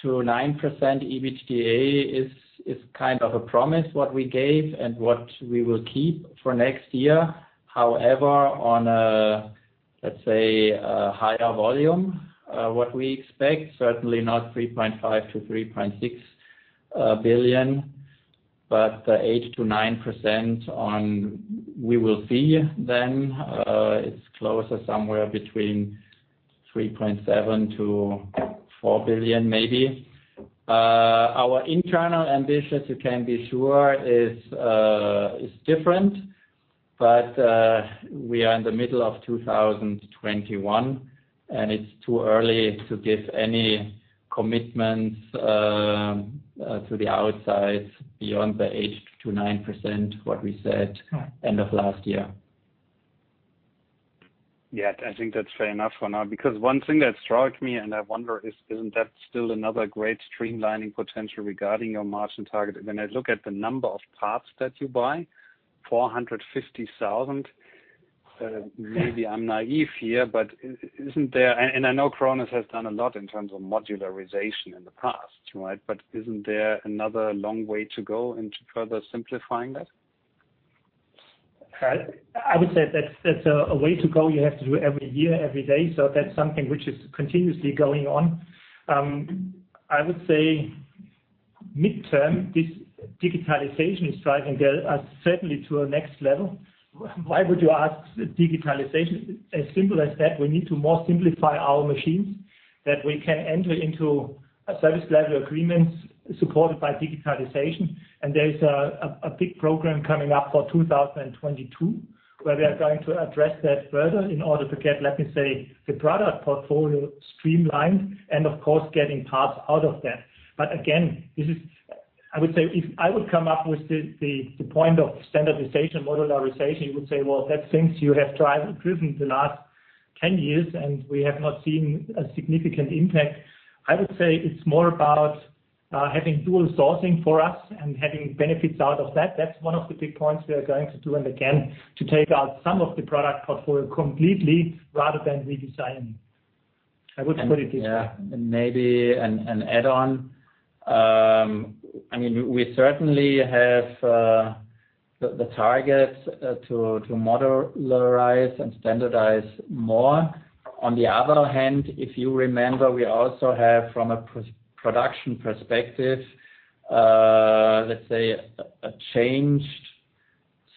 8%-9% EBITDA is kind of a promise what we gave and what we will keep for next year. On a, let's say, a higher volume, what we expect, certainly not 3.5 billion-3.6 billion. 8%-9%. We will see then. It's closer somewhere between 3.7 billion-4 billion maybe. Our internal ambitions, you can be sure, is different. We are in the middle of 2021, it's too early to give any commitments to the outside beyond the 8%-9% what we said end of last year. Yeah. I think that's fair enough for now. One thing that struck me and I wonder is, isn't that still another great streamlining potential regarding your margin target? When I look at the number of parts that you buy, 450,000. Maybe I'm naïve here. I know Krones has done a lot in terms of modularization in the past, right? Isn't there another long way to go into further simplifying that? I would say that's a way to go. You have to do every year, every day. That's something which is continuously going on. I would say midterm, this digitalization is driving us certainly to a next level. Why would you ask digitalization? As simple as that, we need to more simplify our machines, that we can enter into service level agreements supported by digitalization. There is a big program coming up for 2022, where we are going to address that further in order to get, let me say, the product portfolio streamlined and of course, getting parts out of that. Again, I would say, if I would come up with the point of standardization, modularization, you would say, "Well, that things you have driven the last 10 years, and we have not seen a significant impact." I would say it's more about having dual sourcing for us and having benefits out of that. That's one of the big points we are going to do. Again, to take out some of the product portfolio completely rather than redesigning. I would put it this way. Maybe an add-on. We certainly have the targets to modularize and standardize more. On the other hand, if you remember, we also have, from a production perspective, let's say, a changed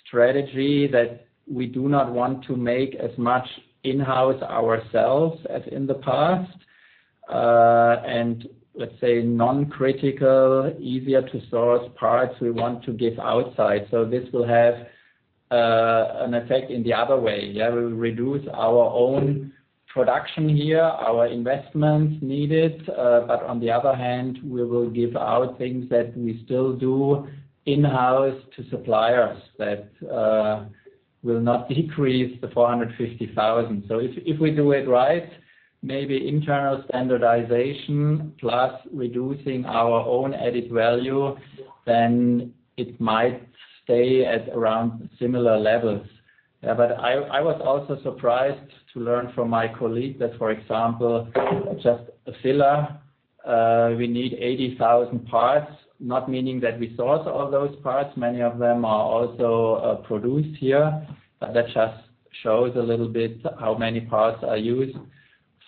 strategy that we do not want to make as much in-house ourselves as in the past. Let's say non-critical, easier to source parts we want to give outside. This will have an effect in the other way. We will reduce our own production here, our investments needed. On the other hand, we will give out things that we still do in-house to suppliers. That will not decrease the 450,000. If we do it right, maybe internal standardization plus reducing our own added value, then it might stay at around similar levels. I was also surprised to learn from my colleague that, for example, just a filler, we need 80,000 parts, not meaning that we source all those parts. Many of them are also produced here. That just shows a little bit how many parts are used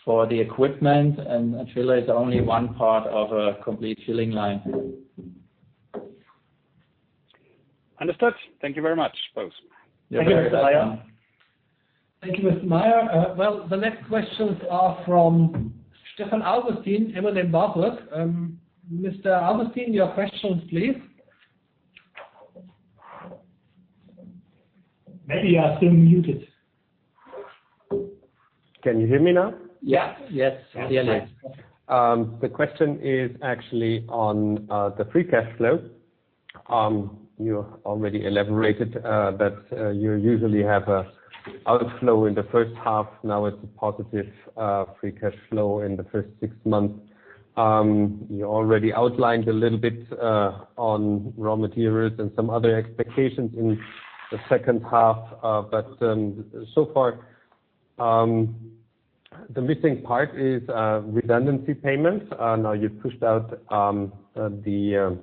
for the equipment. A filler is only one part of a complete filling line. Understood. Thank you very much, folks. You're welcome. Thank you, Mr. Weier. Well, the next questions are from Stefan Augustin, M.M.Warburg. Mr. Augustin, your questions, please. Maybe you are still muted. Can you hear me now? Yeah. Yes. Okay. The question is actually on the free cash flow. You already elaborated that you usually have an outflow in the first half. Now it's a positive free cash flow in the first six months. You already outlined a little bit on raw materials and some other expectations in the second half. So far, the missing part is redundancy payments. Now you pushed out the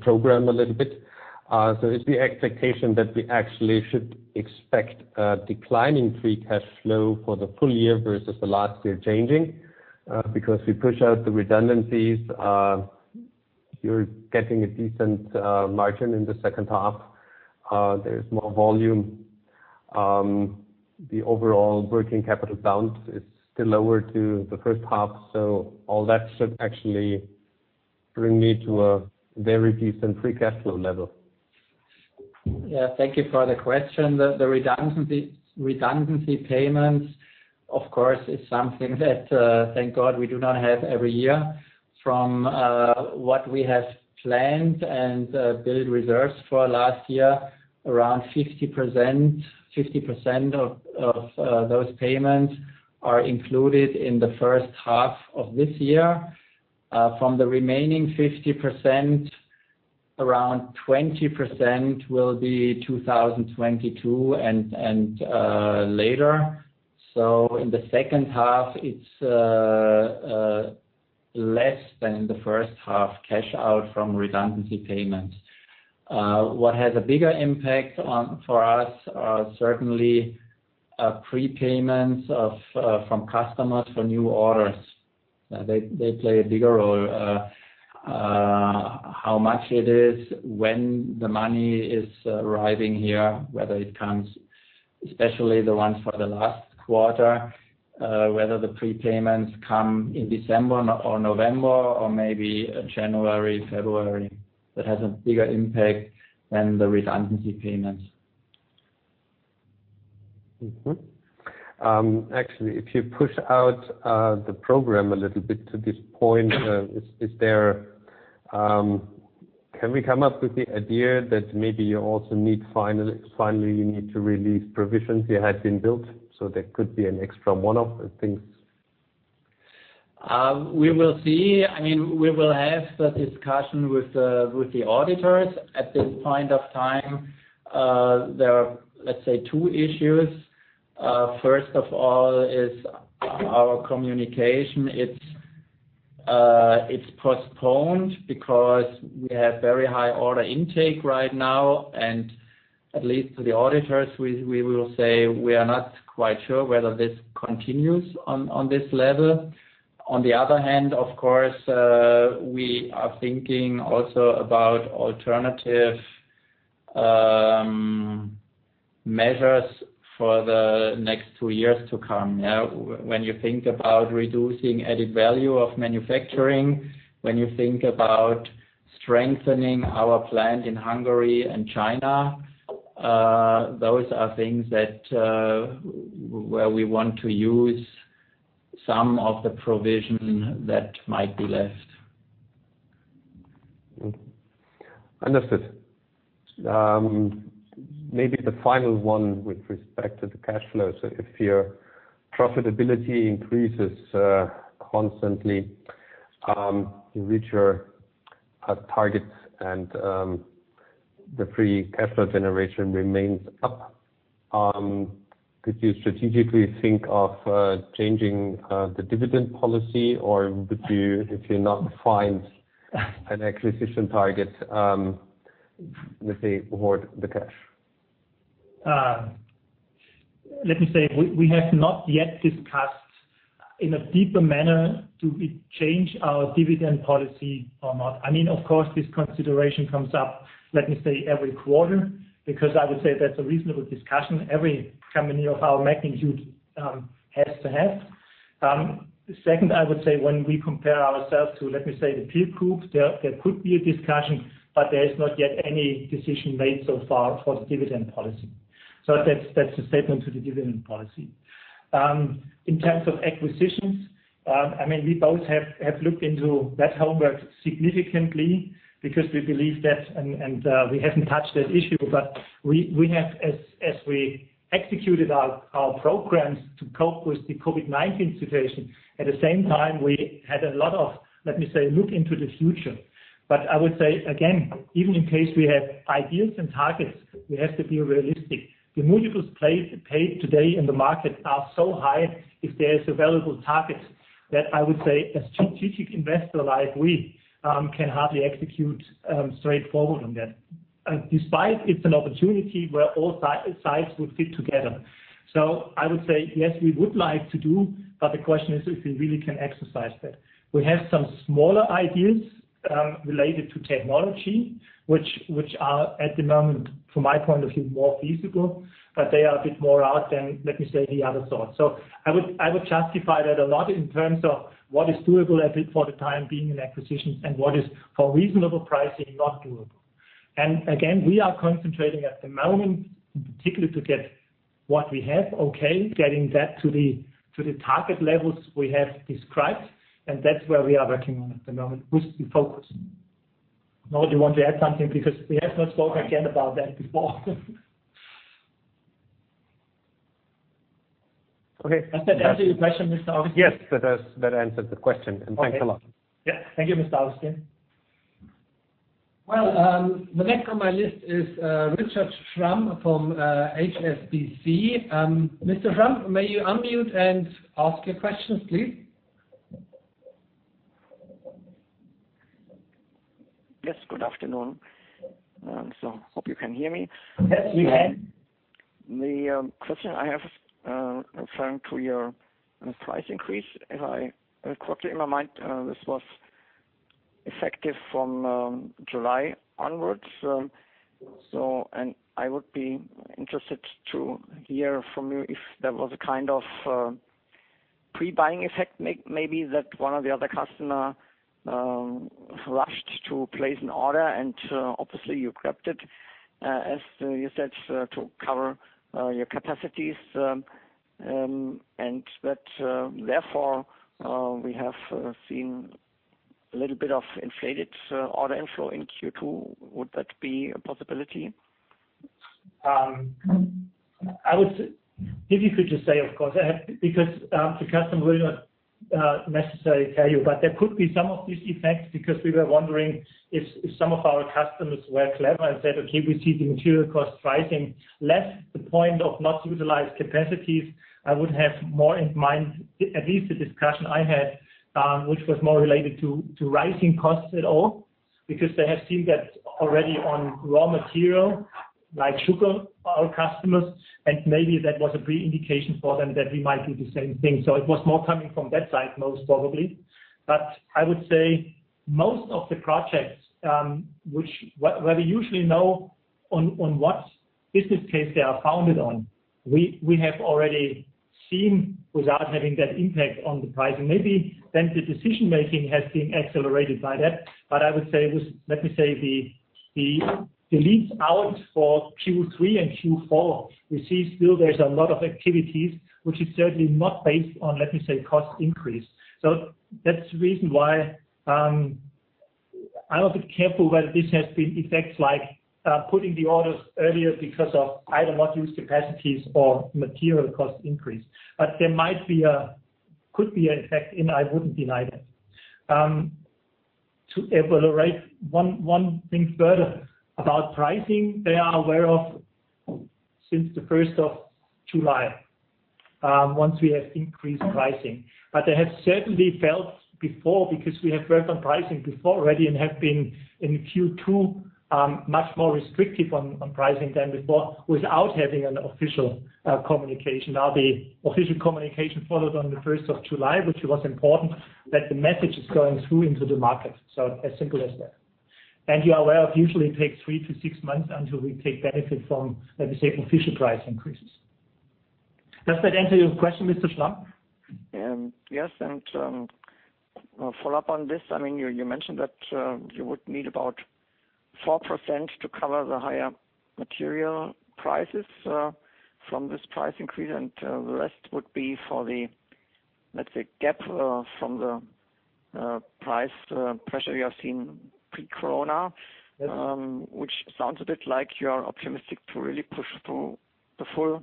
program a little bit. Is the expectation that we actually should expect a decline in free cash flow for the full year versus the last year changing? We push out the redundancies, you're getting a decent margin in the second half. There is more volume. The overall working capital balance is still lower to the first half. All that should actually bring me to a very decent free cash flow level. Thank you for the question. The redundancy payments, of course, is something that, thank God, we do not have every year. From what we have planned and build reserves for last year, around 50% of those payments are included in the first half of this year. From the remaining 50%, around 20% will be 2022 and later. In the second half, it's less than the first half cash out from redundancy payments. What has a bigger impact for us are certainly prepayments from customers for new orders. They play a bigger role. How much it is, when the money is arriving here, whether it comes, especially the ones for the last quarter, whether the prepayments come in December or November or maybe January, February, that has a bigger impact than the redundancy payments. Actually, if you push out the program a little bit to this point, can we come up with the idea that maybe you also finally need to release provisions that had been built, there could be an extra one-off of things? We will see. We will have the discussion with the auditors. At this point of time, there are, let's say, two issues. First of all is our communication. It's postponed because we have very high order intake right now, and at least to the auditors, we will say we are not quite sure whether this continues on this level. On the other hand, of course, we are thinking also about alternative measures for the next two years to come. When you think about reducing added value of manufacturing, when you think about strengthening our plant in Hungary and China, those are things where we want to use some of the provision that might be left. Understood. Maybe the final one with respect to the cash flow. If your profitability increases constantly, you reach your targets and the free cash flow generation remains up, could you strategically think of changing the dividend policy, or would you, if you not find an acquisition target, let's say, hoard the cash? Let me say, we have not yet discussed in a deeper manner, do we change our dividend policy or not. Of course, this consideration comes up, let me say, every quarter, because I would say that's a reasonable discussion every company of our magnitude has to have. Second, I would say when we compare ourselves to, let me say, the peer group, there could be a discussion, there is not yet any decision made so far for the dividend policy. That's the statement to the dividend policy. In terms of acquisitions, we both have looked into that homework significantly because we believe that, and we haven't touched that issue. As we executed our programs to cope with the COVID-19 situation, at the same time, we had a lot of, let me say, look into the future. I would say, again, even in case we have ideas and targets, we have to be realistic. The multiples paid today in the market are so high if there is available targets that I would say a strategic investor like we can hardly execute straightforward on that. Despite it's an opportunity where all sides would fit together. I would say, yes, we would like to do, but the question is if we really can exercise that. We have some smaller ideas related to technology, which are at the moment, from my point of view, more feasible, but they are a bit more out than, let me say, the other thoughts. I would justify that a lot in terms of what is doable for the time being in acquisitions and what is for reasonable pricing not doable. Again, we are concentrating at the moment, in particular to get what we have okay, getting that to the target levels we have described, and that's where we are working on at the moment with the focus. Norbert, do you want to add something? We have not spoken again about that before. Okay. Does that answer your question, Stefan Augustin? Yes, that does. That answers the question. Thanks a lot. Okay. Yeah. Thank you, Stefan Augustin. Well, the next on my list is Richard Schramm from HSBC. Mr. Schramm, may you unmute and ask your questions, please. Yes, good afternoon. Hope you can hear me. Yes, we can. The question I have referring to your price increase. If I recall correctly in my mind, this was effective from July onwards. I would be interested to hear from you if there was a kind of pre-buying effect, maybe that one or the other customer rushed to place an order and obviously you grabbed it, as you said, to cover your capacities, and that therefore, we have seen a little bit of inflated order inflow in Q2. Would that be a possibility? I would say difficult to say, of course, because the customer will not necessarily tell you. There could be some of these effects because we were wondering if some of our customers were clever and said, "Okay, we see the material cost pricing left the point of not utilized capacities." I would have more in mind, at least the discussion I had, which was more related to rising costs at all, because they have seen that already on raw material, like sugar, our customers, and maybe that was a pre-indication for them that we might do the same thing. It was more coming from that side, most probably. I would say most of the projects, where we usually know on what business case they are founded on, we have already seen without having that impact on the pricing. Maybe then the decision-making has been accelerated by that. I would say, let me say the leads out for Q3 and Q4, we see still there's a lot of activities which is certainly not based on, let me say, cost increase. That's the reason why I'm a bit careful whether this has been effects like putting the orders earlier because of, I don't know, used capacities or material cost increase. There could be an effect, and I wouldn't deny that. To elaborate one thing further about pricing. They are aware of since the first of July, once we have increased pricing. They have certainly felt before because we have worked on pricing before already and have been in Q2 much more restrictive on pricing than before without having an official communication. The official communication followed on the first of July, which was important that the message is going through into the market. As simple as that. You are aware, it usually takes three to six months until we take benefit from, let me say, official price increases. Does that answer your question, Mr. Schramm? Yes. Follow up on this, you mentioned that you would need about 4% to cover the higher material prices from this price increase, and the rest would be for the, let's say, gap from the price pressure we have seen pre-corona. Yes. Which sounds a bit like you are optimistic to really push through the full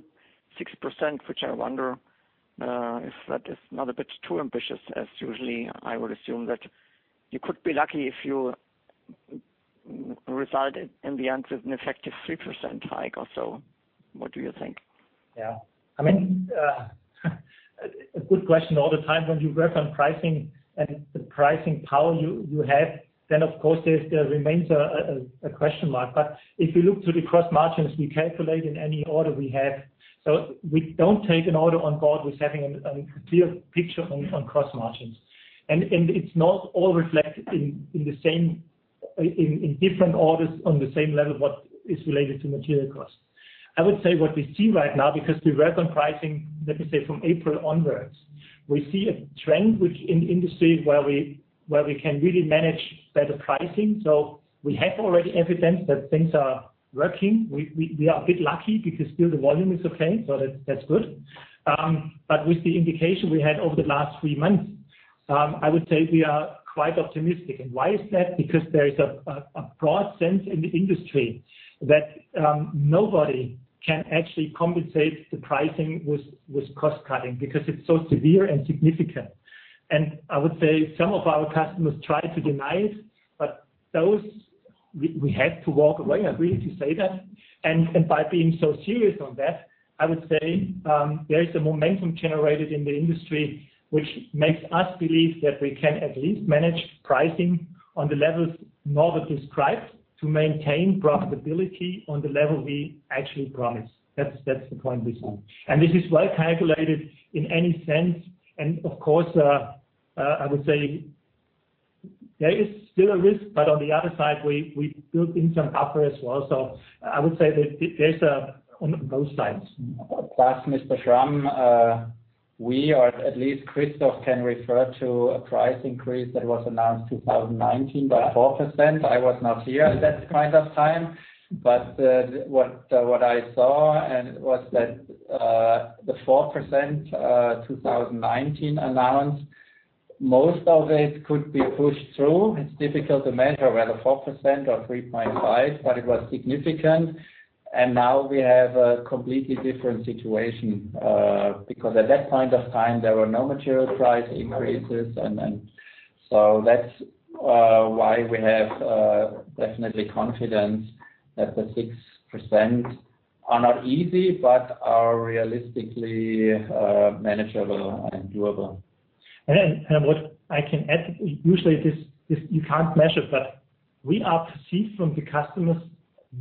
6%, which I wonder if that is not a bit too ambitious, as usually I would assume that you could be lucky if you result in the end with an effective 3% hike or so. What do you think? Yeah. A good question all the time. When you work on pricing and the pricing power you have, of course there remains a question mark. If you look to the gross margins we calculate in any order we have. We don't take an order on board with having a clear picture on gross margins. It's not all reflected in different orders on the same level, what is related to material cost. I would say what we see right now, because we work on pricing, let me say, from April onwards. We see a trend which in the industry where we can really manage better pricing. We have already evidence that things are working. We are a bit lucky because still the volume is okay, so that's good. With the indication we had over the last three months, I would say we are quite optimistic. Why is that? Because there is a broad sense in the industry that nobody can actually compensate the pricing with cost cutting because it's so severe and significant. I would say some of our customers try to deny it, but those, we had to walk away. I agree to say that. By being so serious on that, I would say, there is a momentum generated in the industry, which makes us believe that we can at least manage pricing on the levels Norbert described to maintain profitability on the level we actually promised. That's the point we see. This is well calculated in any sense. Of course, I would say there is still a risk, but on the other side, we built in some buffer as well. I would say that there's a, on both sides. Mr. Schramm, we, or at least Christoph can refer to a price increase that was announced 2019 by 4%. I was not here at that point of time, but what I saw and was that the 4% 2019 announced, most of it could be pushed through. It's difficult to measure whether 4% or 3.5%, but it was significant. Now we have a completely different situation, because at that point of time, there were no material price increases. That's why we have definitely confidence that the 6% are not easy, but are realistically manageable and doable. What I can add, usually this, you can't measure, but we are perceived from the customers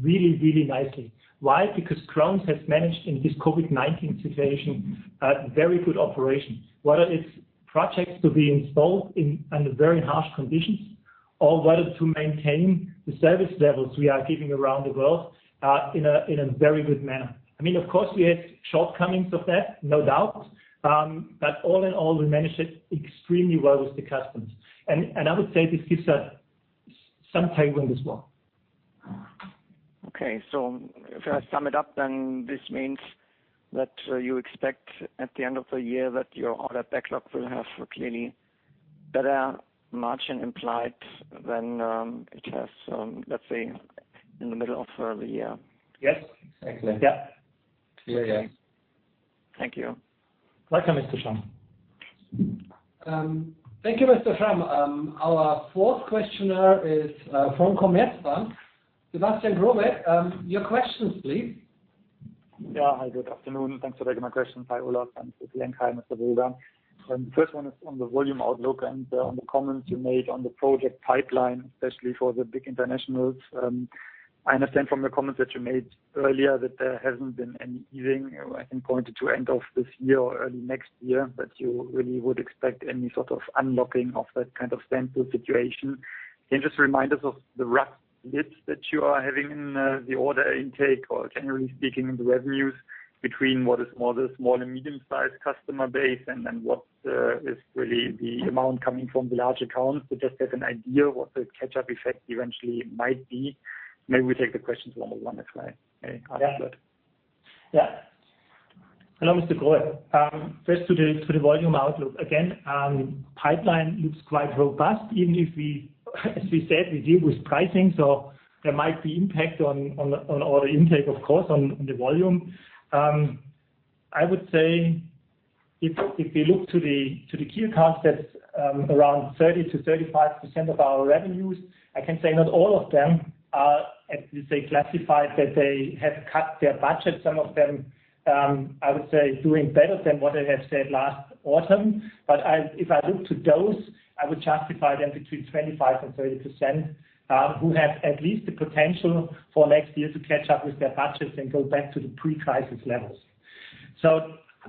really, really nicely. Why? Because Krones has managed in this COVID-19 situation a very good operation. Whether it's projects to be installed under very harsh conditions or whether to maintain the service levels we are giving around the world, in a very good manner. Of course, we have shortcomings of that, no doubt. All in all, we managed it extremely well with the customers. I would say this gives us some tailwind as well. If I sum it up, this means that you expect at the end of the year that your order backlog will have clearly better margin implied than it has, let's say, in the middle of early year. Yes. Exactly. Yeah. Clear, yeah. Thank you. Welcome, Mr. Schramm. Thank you, Mr. Schramm. Our fourth questioner is from Commerzbank. Sebastian Growe, your questions, please. Hi, good afternoon. Thanks for taking my questions. Hi, Olaf and Christoph. Hi, Norbert Broger. First one is on the volume outlook and on the comments you made on the project pipeline, especially for the big internationals. I understand from the comments that you made earlier that there hasn't been any easing, I think pointed to end of this year or early next year that you really would expect any sort of unlocking of that kind of standstill situation. Can you just remind us of the rough bits that you are having in the order intake or generally speaking, in the revenues between what is more the small and medium-sized customer base, and then what is really the amount coming from the large accounts to just have an idea what the catch-up effect eventually might be? Maybe we take the questions one by one. Yeah. Hello, Mr. Growe. First to the volume outlook. Pipeline looks quite robust, even if we as we said, we deal with pricing, so there might be impact on order intake, of course, on the volume. If you look to the key concepts, around 30%-35% of our revenues, I can say not all of them are, let me say, classified that they have cut their budget. Some of them, I would say, doing better than what they have said last autumn. If I look to those, I would justify them between 25%-30%, who have at least the potential for next year to catch up with their budgets and go back to the pre-crisis levels.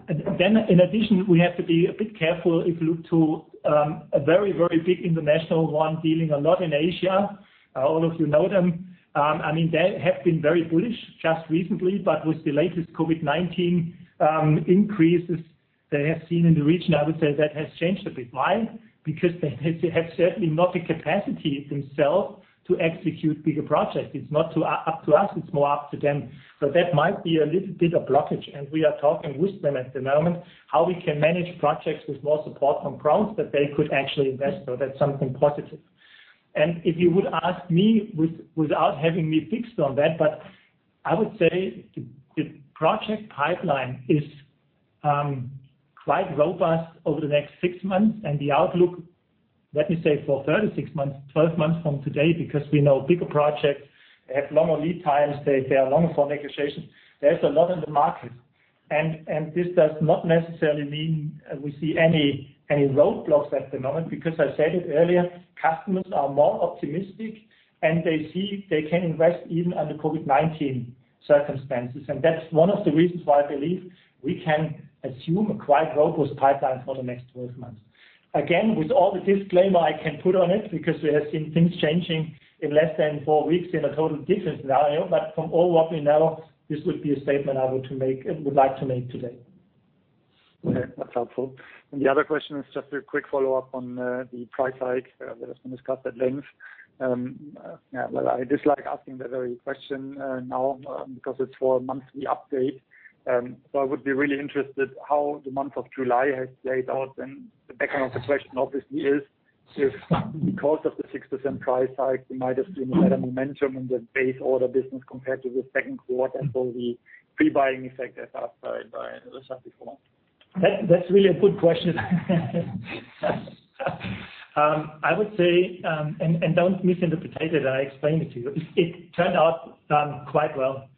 In addition, we have to be a bit careful if you look to a very big international one, dealing a lot in Asia. All of you know them. They have been very bullish just recently, but with the latest COVID-19 increases they have seen in the region, I would say that has changed a bit. Why? Because they have certainly not the capacity themselves to execute bigger projects. It's not up to us, it's more up to them. That might be a little bit of blockage, and we are talking with them at the moment, how we can manage projects with more support from Krones that they could actually invest. That's something positive. If you would ask me, without having me fixed on that, but I would say the project pipeline is quite robust over the next six months. The outlook, let me say, for 36 months, 12 months from today, because we know bigger projects have longer lead times. They are longer for negotiations. There's a lot in the market. This does not necessarily mean we see any roadblocks at the moment, because I said it earlier, customers are more optimistic, and they see they can invest even under COVID-19 circumstances. That's one of the reasons why I believe we can assume a quite robust pipeline for the next 12 months. Again, with all the disclaimer I can put on it, because we have seen things changing in less than four weeks in a total different scenario. From all what we know, this would be a statement I would like to make today. Okay, that's helpful. The other question is just a quick follow-up on the price hike that has been discussed at length. I dislike asking that very question now, because it's for a monthly update. I would be really interested how the month of July has played out. The background of the question obviously is, if because of the 6% price hike, we might have seen a better momentum in the base order business compared to the second quarter and for the pre-buying effect as asked by Richard Schramm before. That's really a good question. I would say, and don't misinterpret it, I explain it to you. It turned out quite well.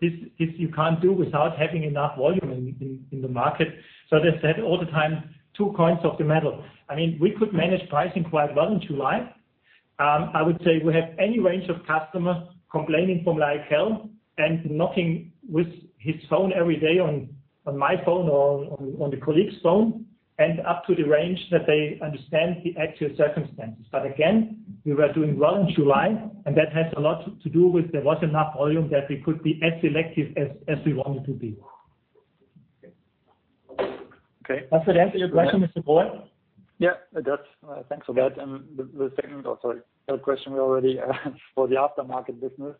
This you can't do without having enough volume in the market. They said all the time, two coins of the metal. We could manage pricing quite well in July. I would say we have any range of customer complaining from like hell and knocking with his phone every day on my phone or on the colleague's phone, and up to the range that they understand the actual circumstances. Again, we were doing well in July, and that has a lot to do with there was enough volume that we could be as selective as we wanted to be. Okay. Does that answer your question, Growe? Yeah, it does. Thanks for that. The second question we already for the aftermarket business.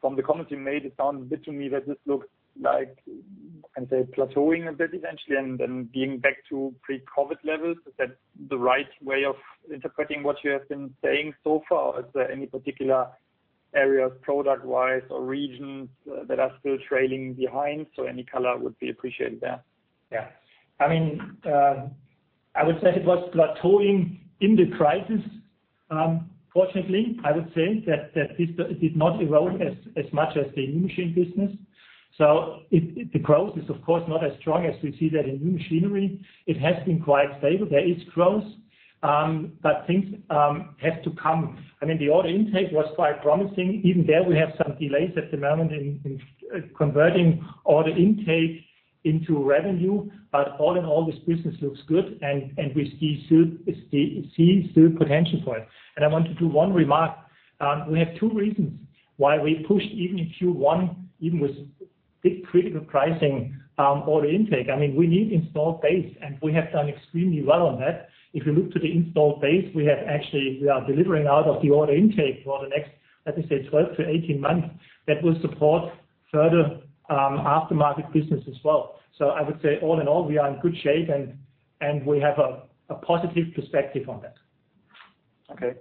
From the comments you made, it sounds a bit to me that this looks like, I say, plateauing a bit eventually, and then being back to pre-COVID levels. Is that the right way of interpreting what you have been saying so far, or is there any particular areas product-wise or regions that are still trailing behind? Any color would be appreciated there. Yeah. I would say it was plateauing in the crisis. Fortunately, I would say that this did not erode as much as the new machine business. The growth is of course not as strong as we see that in new machinery. It has been quite stable. There is growth. Things have to come. The order intake was quite promising. Even there, we have some delays at the moment in converting order intake into revenue. All in all, this business looks good, and we see still potential for it. I want to do one remark. We have two reasons why we pushed even in Q1, even with big critical pricing, order intake. We need installed base, and we have done extremely well on that. If you look to the installed base, we are delivering out of the order intake for the next, let me say, 12 to 18 months. That will support further aftermarket business as well. I would say, all in all, we are in good shape, and we have a positive perspective on that.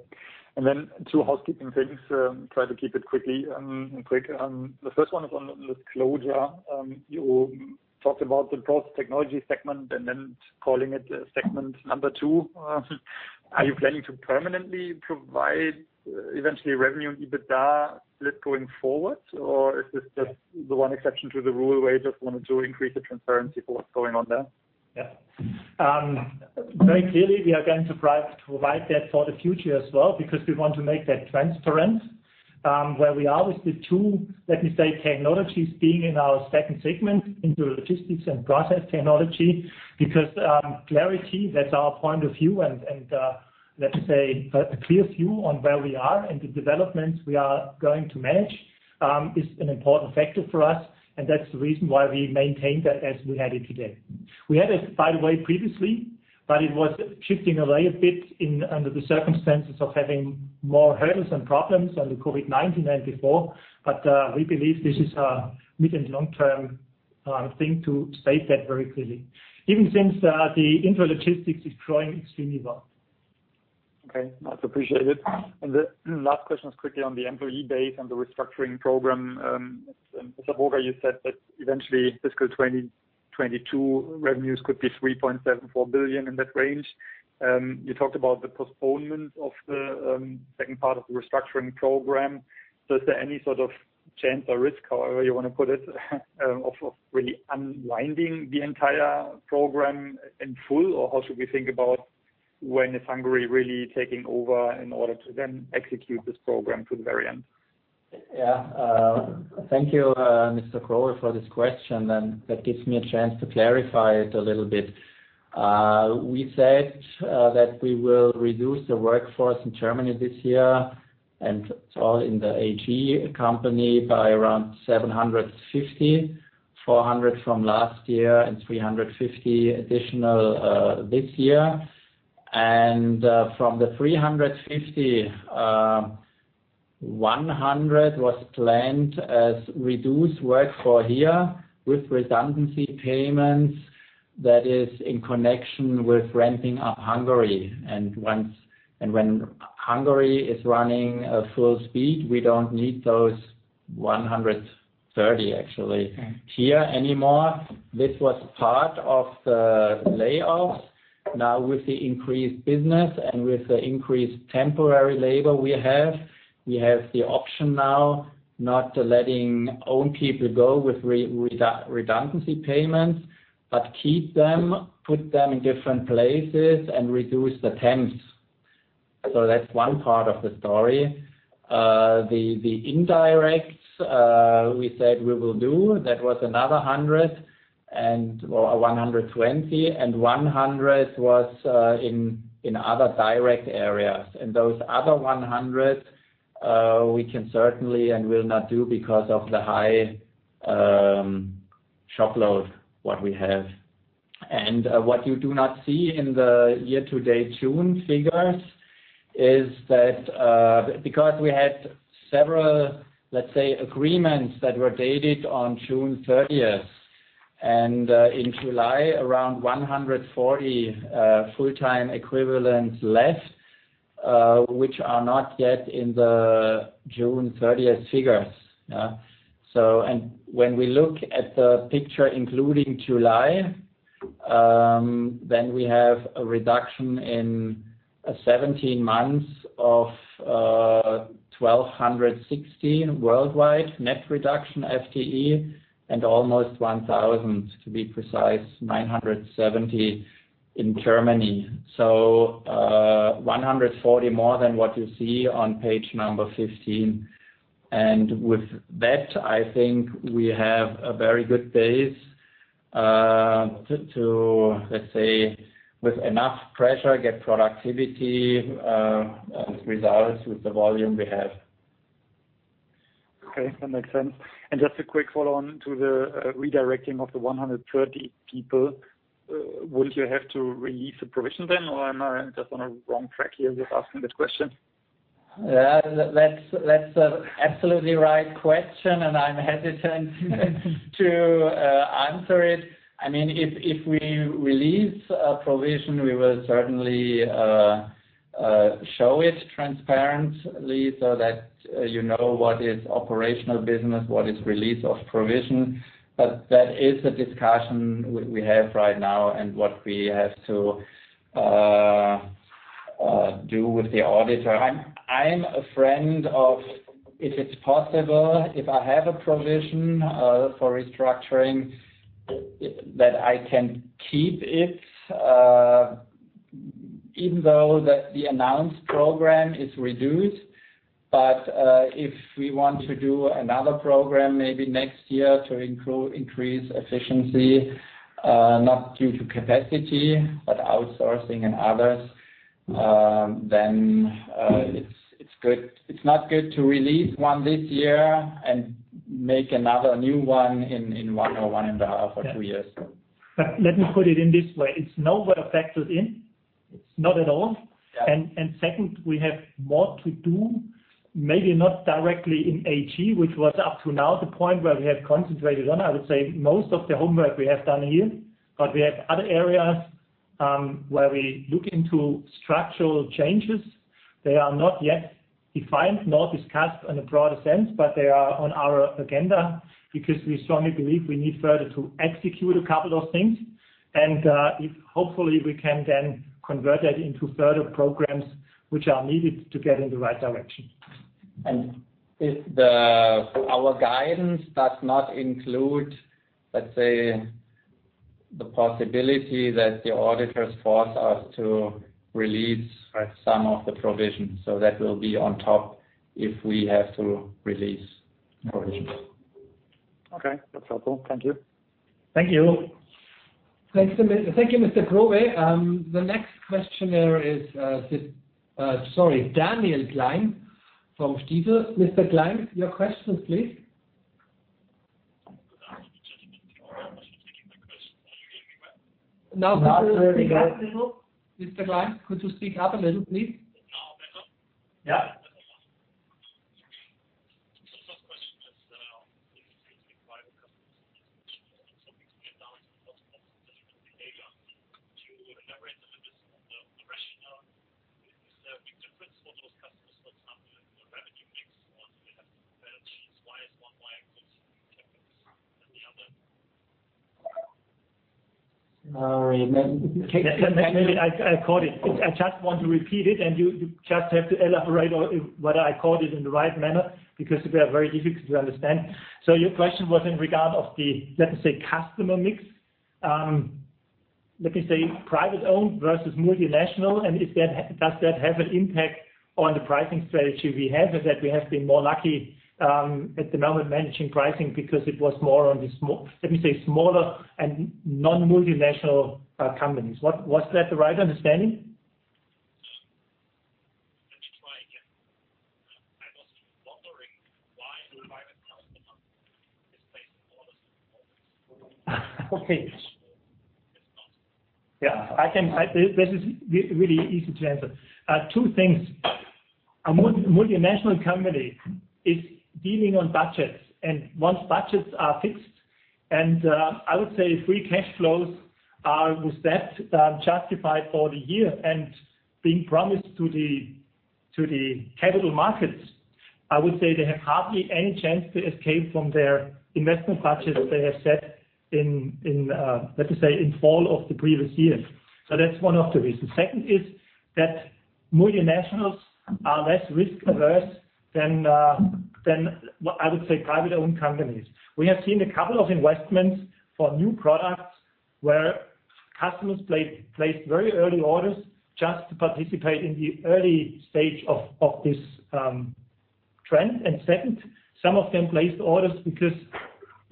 Okay. two housekeeping things. Try to keep it quick. The first one is on disclosure. You talked about the Process Technology segment and then calling it segment number two. Are you planning to permanently provide eventually revenue and EBITDA split going forward, or is this just the one exception to the rule where you just wanted to increase the transparency for what's going on there? Yeah. Very clearly, we are going to provide that for the future as well, because we want to make that transparent, where we are with the two, let me say, technologies being in our second segment, Intralogistics and Process Technology. Clarity, that's our point of view and let me say, a clear view on where we are and the developments we are going to manage, is an important factor for us, and that's the reason why we maintain that as we had it today. We had it, by the way, previously, but it was shifting away a bit under the circumstances of having more hurdles and problems under COVID-19 and before. We believe this is a mid- and long-term thing to state that very clearly. Even since the Intralogistics is growing extremely well. Okay, much appreciated. The last question is quickly on the employee base and the restructuring program. Mr. Broger, you said that eventually fiscal 2022 revenues could be 3.74 billion in that range. You talked about the postponement of the second part of the restructuring program. Is there any sort of chance or risk, however you want to put it, of really unwinding the entire program in full? How should we think about when is Hungary really taking over in order to then execute this program to the very end? Thank you, Mr. Growe, for this question, that gives me a chance to clarify it a little bit. We said that we will reduce the workforce in Germany this year, it's all in the AG company by around 750, 400 from last year and 350 additional, this year. From the 350, 100 was planned as reduced workforce here with redundancy payments that is in connection with ramping up Hungary. When Hungary is running at full speed, we don't need those 130 actually here anymore. This was part of the layoffs. Now with the increased business and with the increased temporary labor we have, we have the option now not to letting own people go with redundancy payments, but keep them, put them in different places, and reduce the temps. That's one part of the story. The indirects, we said we will do, that was another 100 and, well, 120 and 100 was in other direct areas. Those other 100, we can certainly and will not do because of the high shop load, what we have. What you do not see in the year-to-date June figures is that, because we had several, let's say, agreements that were dated on June 30th, and in July, around 140 full-time equivalents left, which are not yet in the June 30th figures. When we look at the picture including July, then we have a reduction in 17 months of 1,216 worldwide net reduction FTE and almost 1,000 to be precise, 970 in Germany. 140 more than what you see on page number 15. With that, I think we have a very good base, to let's say with enough pressure, get productivity, and results with the volume we have. Okay. That makes sense. Just a quick follow-on to the redirecting of the 130 people. Wouldn't you have to release a provision then, or am I just on a wrong track here with asking that question? That's a absolutely right question, and I'm hesitant to answer it. If we release a provision, we will certainly show it transparently so that you know what is operational business, what is release of provision. That is a discussion we have right now and what we have to do with the auditor. I'm a friend of if it's possible, if I have a provision for restructuring, that I can keep it, even though the announced program is reduced. If we want to do another program maybe next year to increase efficiency, not due to capacity, but outsourcing and others, then it's not good to release one this year and make another new one in one or one and a half or two years. Let me put it in this way. It's nowhere factored in. It's not at all. Yeah. Second, we have more to do, maybe not directly in AG, which was up to now the point where we have concentrated on, I would say most of the homework we have done here. We have other areas, where we look into structural changes. They are not yet defined, nor discussed in a broader sense, but they are on our agenda because we strongly believe we need further to execute a couple of things. If hopefully we can then convert that into further programs which are needed to get in the right direction. If our guidance does not include, let's say, the possibility that the auditors force us to release. Right some of the provisions. That will be on top if we have to release provisions. Okay. That's helpful. Thank you. Thank you. Thanks. Thank you, Mr. Growe. The next questioner is, sorry, Daniel Gleim from Stifel. Mr. Gleim, your questions, please. Good afternoon, gentlemen. I hope you can hear my question. Are you hearing me well? No, could you speak up a little? Mr. Gleim, could you speak up a little, please? Now better? Yeah. behavior to elaborate a little bit on the rationale. Is there a difference for those customers, for example, in the revenue mix, the ones that have placed why is one customer mix different than the other? Sorry. Maybe I caught it. I just want to repeat it, and you just have to elaborate on whether I caught it in the right manner, because it was very difficult to understand. Your question was in regard of the, let us say, customer mix. Let me say private-owned versus multinational, and does that have an impact on the pricing strategy we have, is that we have been more lucky at the moment managing pricing because it was more on the, let us say, smaller and non-multinational companies. Was that the right understanding? Let me try again. I was wondering why the private customer is placing orders at the moment. Okay. If not Yeah. This is really easy to answer two things. A multinational company is dealing on budgets, and once budgets are fixed, and I would say free cash flows are with that justified for the year, and being promised to the capital markets. I would say they have hardly any chance to escape from their investment budgets they have set in, let me say, in fall of the previous year. That's one of the reasons. Second is that multinationals are less risk-averse than, I would say, private-owned companies. We have seen a couple of investments for new products where customers placed very early orders just to participate in the early stage of this trend. Second, some of them placed orders because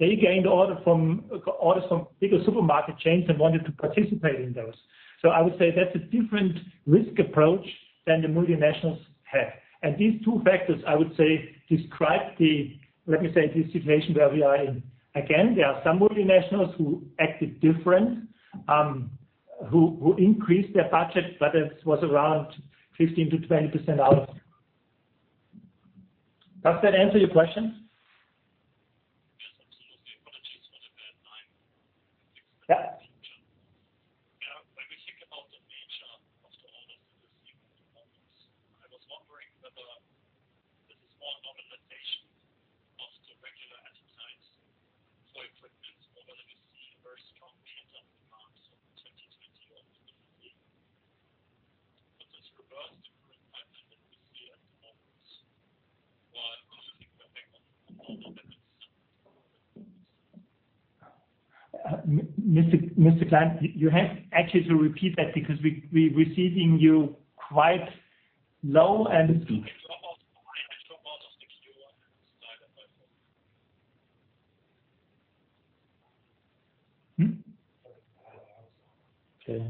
they gained orders from bigger supermarket chains and wanted to participate in those. I would say that's a different risk approach than the multinationals have. These two factors, I would say, describe the, let me say, the situation where we are in. Again, there are some multinationals who acted different, who increased their budget, but it was around 15%-20% out. Does that answer your question? Yes, absolutely. Apologies for the bad line. Yeah. When we think about the nature of the orders that we see at the moment, I was wondering whether this is more normalization of the regular engineer to order equipment or whether we see a very strong pent-up demand from 2020 or 2015. Does it reverse to current patterns that we see at the moment while considering the effect of more orders? Mr. Gleim, you have actually to repeat that because we're receiving you quite low. I dropped out of the queue. I had to start it by phone. Okay.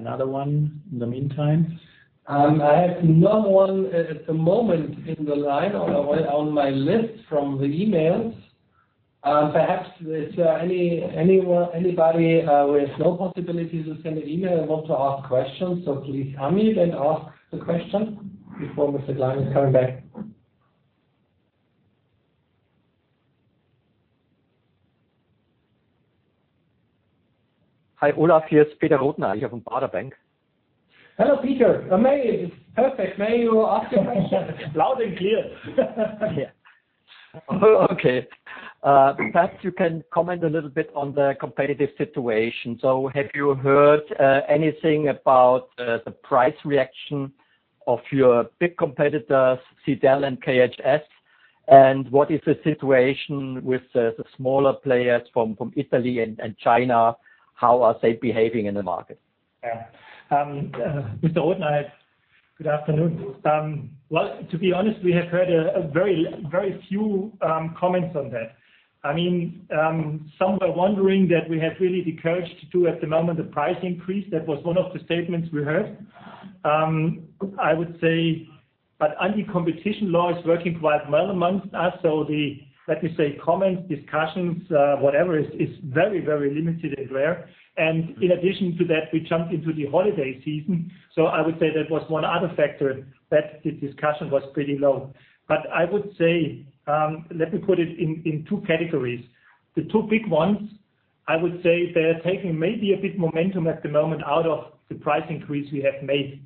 Another one in the meantime. I have no one at the moment in the line on my list from the emails. Perhaps is there anybody with no possibility to send an email and want to ask questions? Please unmute and ask the question before Mr. Gleim is coming back. Hi, Olaf. Here is Peter Rothenaicher. Here from Baader Bank. Hello, Peter. Amazing. Perfect. May you ask your question? Loud and clear. Yeah. Okay. Perhaps you can comment a little bit on the competitive situation. Have you heard anything about the price reaction of your big competitors, Sidel and KHS? What is the situation with the smaller players from Italy and China? How are they behaving in the market? Yeah. Mr. Rothenaicher, good afternoon. Well, to be honest, we have heard very few comments on that. Some were wondering that we have really the courage to do at the moment the price increase. That was one of the statements we heard. I would say, but anti-competition law is working quite well amongst us, so the, let me say, comments, discussions, whatever, is very limited and rare. In addition to that, we jumped into the holiday season. I would say that was one other factor that the discussion was pretty low. I would say, let me put it in two categories. The two big ones, I would say they're taking maybe a bit momentum at the moment out of the price increase we have made.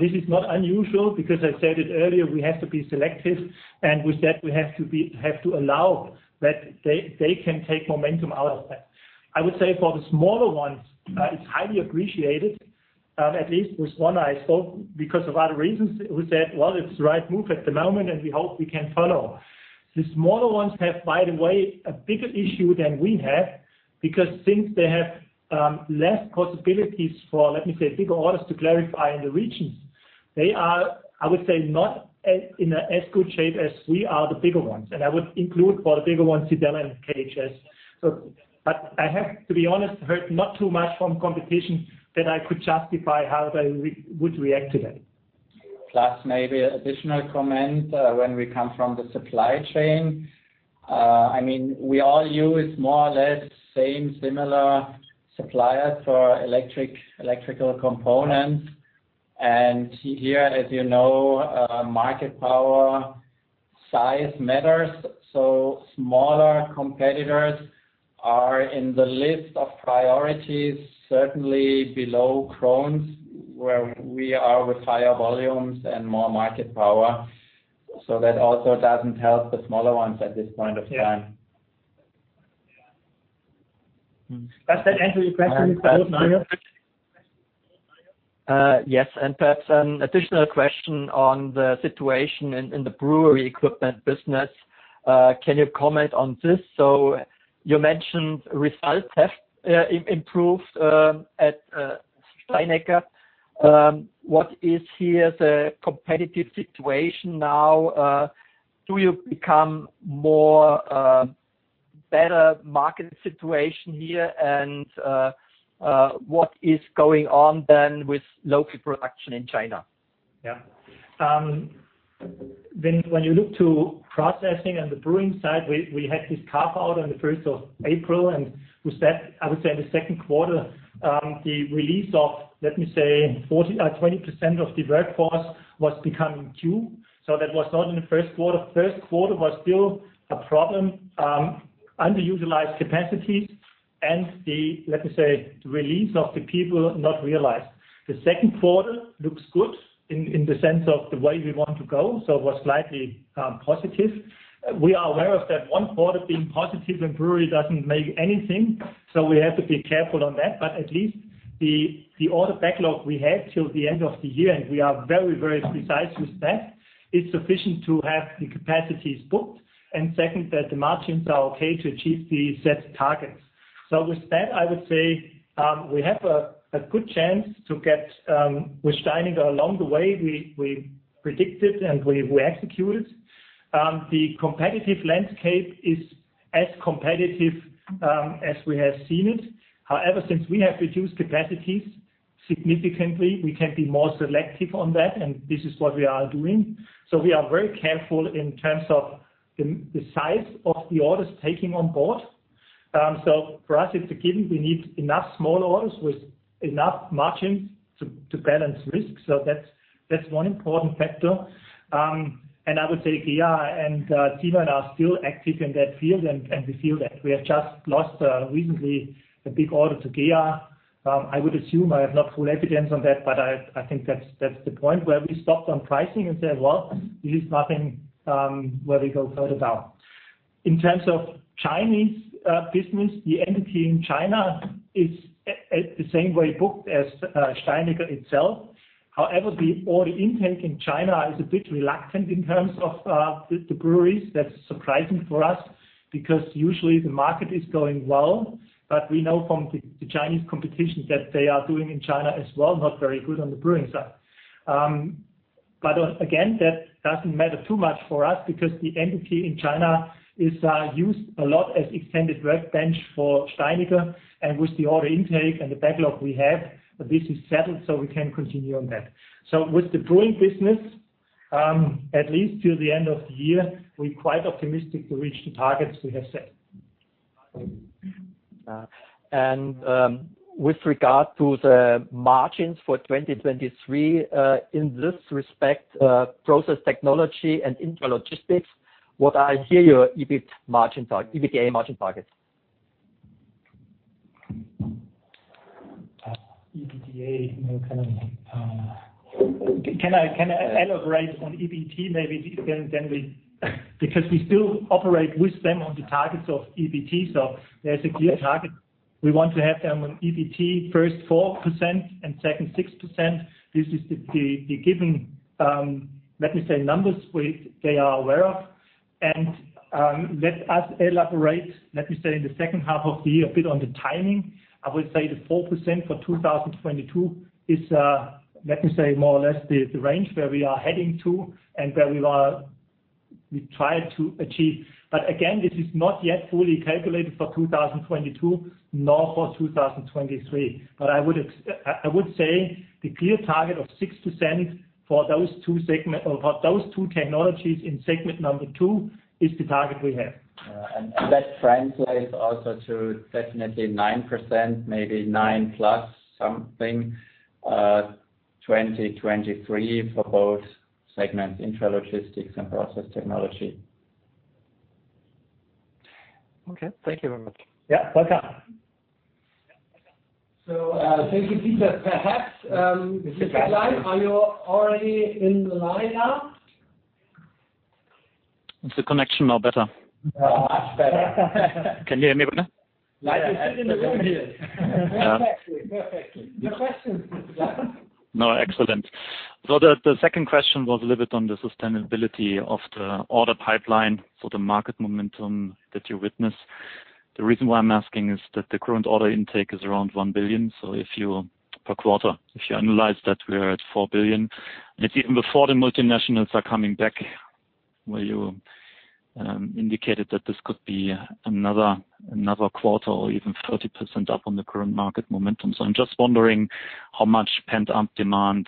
This is not unusual, because I said it earlier, we have to be selective, and with that, we have to allow that they can take momentum out of that. I would say for the smaller ones, it's highly appreciated. At least with one I spoke, because of other reasons, who said, "Well, it's the right move at the moment, and we hope we can follow." The smaller ones have, by the way, a bigger issue than we have, because since they have less possibilities for, let me say, bigger orders to clarify in the regions, they are, I would say, not in as good shape as we are, the bigger ones. I would include for the bigger ones, Sidel and KHS. I have, to be honest, heard not too much from competition that I could justify how they would react to that. Plus maybe an additional comment when we come from the supply chain. We all use more or less same similar suppliers for electrical components. Here, as you know, market power. Size matters, so smaller competitors are in the list of priorities, certainly below Krones, where we are with higher volumes and more market power. That also doesn't help the smaller ones at this point of time. Yeah. Does that answer your question, Peter Rothenaicher? Yes, perhaps an additional question on the situation in the brewery equipment business. Can you comment on this? You mentioned result have improved at Steinecker. What is here the competitive situation now? Do you become more better market situation here? What is going on then with local production in China? Yeah. When you look to processing and the brewing side, we had this carve-out on the first of April. With that, I would say in the second quarter, the release of, let me say, 20% of the workforce was becoming due. That was not in the first quarter. first quarter was still a problem. Underutilized capacities and the, let me say, release of the people not realized. The second quarter looks good in the sense of the way we want to go, so was slightly positive. We are aware of that one quarter being positive and brewery doesn't make anything, so we have to be careful on that. At least the order backlog we have till the end of the year, and we are very, very precise with that, is sufficient to have the capacities booked, and second, that the margins are okay to achieve the set targets. With that, I would say, we have a good chance to get with Steinecker along the way. We predicted and we executed. The competitive landscape is as competitive as we have seen it. However, since we have reduced capacities significantly, we can be more selective on that, and this is what we are doing. We are very careful in terms of the size of the orders taking on board. For us, it's a given. We need enough small orders with enough margins to balance risk. That's one important factor. I would say GEA and Ziemann are still active in that field, and we feel that we have just lost, recently, a big order to GEA. I would assume, I have not full evidence on that, but I think that's the point where we stopped on pricing and said, "Well, this is nothing where we go further down." In terms of Chinese business, the entity in China is the same way booked as Steinecker itself. However, the order intake in China is a bit reluctant in terms of the breweries. That's surprising for us because usually the market is going well. We know from the Chinese competition that they are doing in China as well, not very good on the brewing side. Again, that doesn't matter too much for us because the entity in China is used a lot as extended reference for Steinecker. With the order intake and the backlog we have, this is settled, so we can continue on that. With the brewing business, at least till the end of the year, we're quite optimistic to reach the targets we have set. With regard to the margins for 2023, in this respect, Process Technology and Intralogistics, what are here your EBIT margin target, EBITDA margin targets? EBITDA, no, can I elaborate on EBT maybe, because we still operate with them on the targets of EBT, so there's a clear target. We want to have them on EBT first 4% and second 6%. This is the given, let me say, numbers they are aware of. Let us elaborate, let me say, in the second half of the year a bit on the timing. I would say the 4% for 2022 is, let me say, more or less the range where we are heading to and where we try to achieve. Again, this is not yet fully calculated for 2022, nor for 2023. I would say the clear target of 6% for those two technologies in segment number two is the target we have. That translates also to definitely 9%, maybe nine plus something, 2023 for both segments, Intralogistics and Process Technology. Okay. Thank you very much. Yeah. Welcome. Thank you, Peter Rothenaicher. Perhaps, Daniel Gleim, are you already in the line now? Is the connection now better? Much better. Can you hear me better? Yes. Perfectly. Your question? No, excellent. The second question was a little bit on the sustainability of the order pipeline for the market momentum that you witness. The reason why I'm asking is that the current order intake is around 1 billion. If you, per quarter, if you annualize that, we are at 4 billion. It's even before the multinationals are coming back, where you indicated that this could be another quarter or even 30% up on the current market momentum. I'm just wondering how much pent-up demand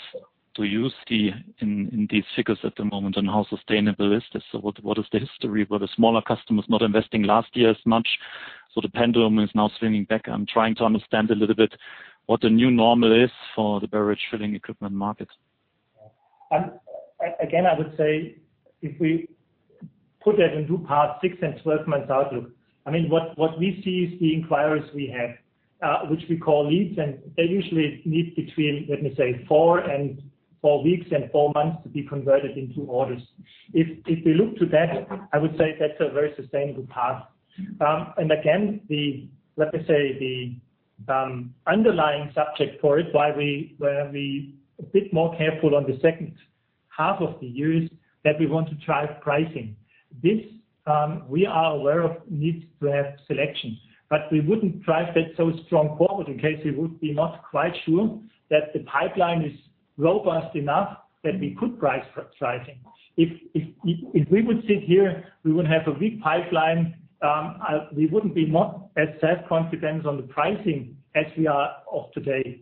do you see in these figures at the moment, and how sustainable is this? What is the history? Were the smaller customers not investing last year as much? The pendulum is now swinging back. I'm trying to understand a little bit what the new normal is for the beverage filling equipment market. Again, I would say if we put that into part six and 12 months outlook, what we see is the inquiries we have, which we call leads, and they usually need between, let me say, four weeks and four months to be converted into orders. If we look to that, I would say that's a very sustainable path. Again, let me say, the underlying subject for it, why we were a bit more careful on the second half of the year is that we want to drive pricing. This, we are aware of, needs to have selection. We wouldn't drive that so strong forward in case we would be not quite sure that the pipeline is robust enough that we could drive pricing. If we would sit here, we would have a weak pipeline, we wouldn't be not as self-confident on the pricing as we are of today.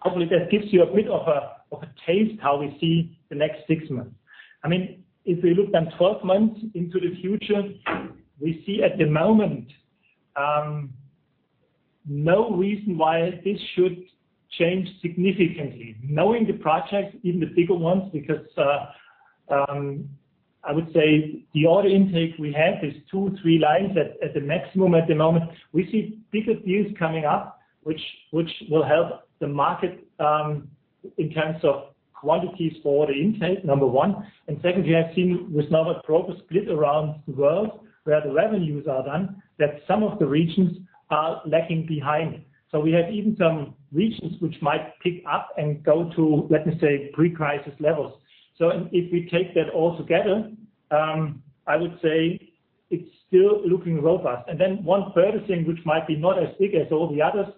Hopefully, that gives you a bit of a taste how we see the next six months. If we look then 12 months into the future, we see at the moment, no reason why this should change significantly. Knowing the projects, even the bigger ones, because I would say the order intake we have is two, three lines at the maximum at the moment. We see bigger deals coming up, which will help the market, in terms of quantities for order intake, number one. Secondly, I've seen with Norbert Broger split around the world where the revenues are done, that some of the regions are lagging behind. We have even some regions which might pick up and go to, let me say, pre-crisis levels. If we take that all together, I would say it's still looking robust. One further thing which might be not as big as all the others,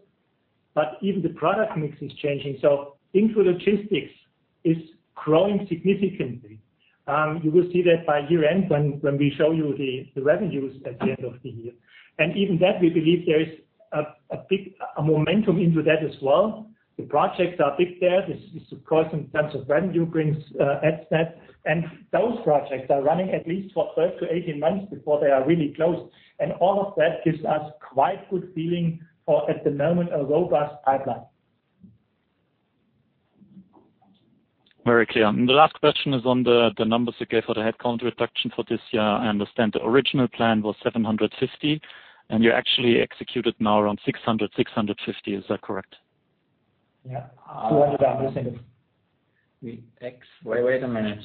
but even the product mix is changing. Intralogistics is growing significantly. You will see that by year-end when we show you the revenues at the end of the year. Even that, we believe there is a big momentum into that as well. The projects are big there. This, of course, in terms of revenue brings headset. Those projects are running at least for 12 to 18 months before they are really closed. All of that gives us quite good feeling for, at the moment, a robust pipeline. Very clear. The last question is on the numbers you gave for the headcount reduction for this year. I understand the original plan was 750, and you actually executed now around 600, 650. Is that correct? Yeah. 200, I think. Wait a minute.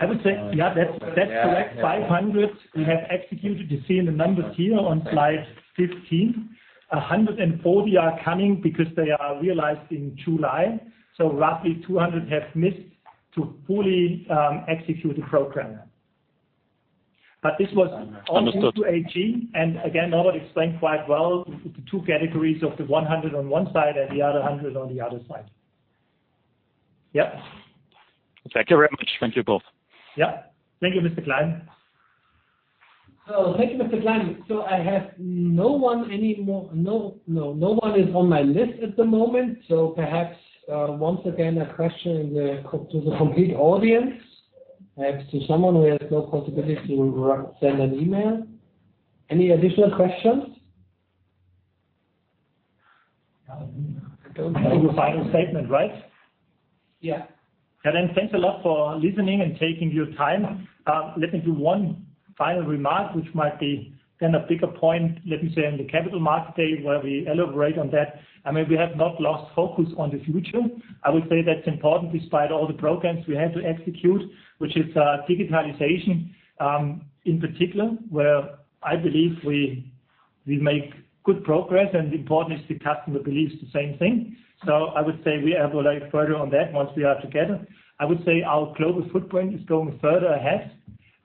I would say, yeah, that's correct. 500 we have executed. You see in the numbers here on slide 15. 140 are coming because they are realized in July. Roughly 200 have missed to fully execute the program. Understood all into AG. Again, Norbert explained quite well the two categories of the 100 on one side and the other 100 on the other side. Yep. Thank you very much. Thank you both. Yeah. Thank you, Mr. Gleim. Thank you, Mr. Gleim. I have no one anymore. No one is on my list at the moment, so perhaps, once again, a question to the complete audience. Perhaps to someone who has no possibility to send an email. Any additional questions? I don't know. Your final statement, right? Yeah. Thanks a lot for listening and taking your time. Let me do one final remark, which might be then a bigger point, let me say, on the Capital Markets Day where we elaborate on that. We have not lost focus on the future. I would say that's important despite all the programs we had to execute, which is digitalization, in particular, where I believe we make good progress, and important is the customer believes the same thing. I would say we elaborate further on that once we are together. I would say our global footprint is going further ahead.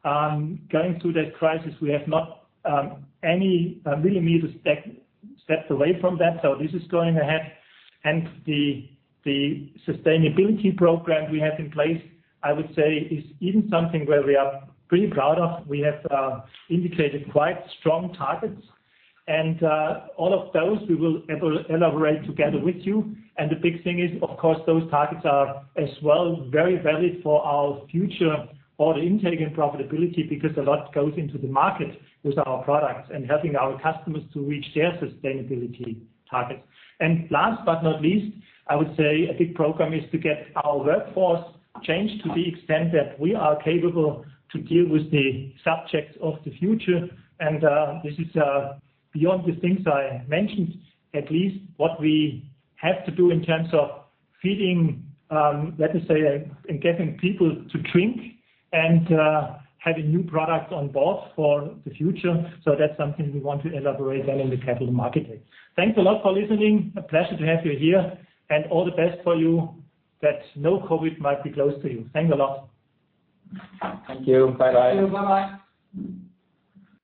Going through that crisis, we have not any really needed steps away from that, so this is going ahead. The sustainability program we have in place, I would say, is even something where we are pretty proud of. We have indicated quite strong targets. All of those we will elaborate together with you. The big thing is, of course, those targets are as well very valid for our future order intake and profitability because a lot goes into the market with our products and helping our customers to reach their sustainability targets. Last but not least, I would say a big program is to get our workforce changed to the extent that we are capable to deal with the subjects of the future. This is beyond the things I mentioned, at least what we have to do in terms of feeding, let me say, and getting people to drink and having new products on board for the future. That's something we want to elaborate on in the Capital Markets Day. Thanks a lot for listening. A pleasure to have you here. All the best for you that no COVID might be close to you. Thanks a lot. Thank you, Bye Bye Thank you, Bye Bye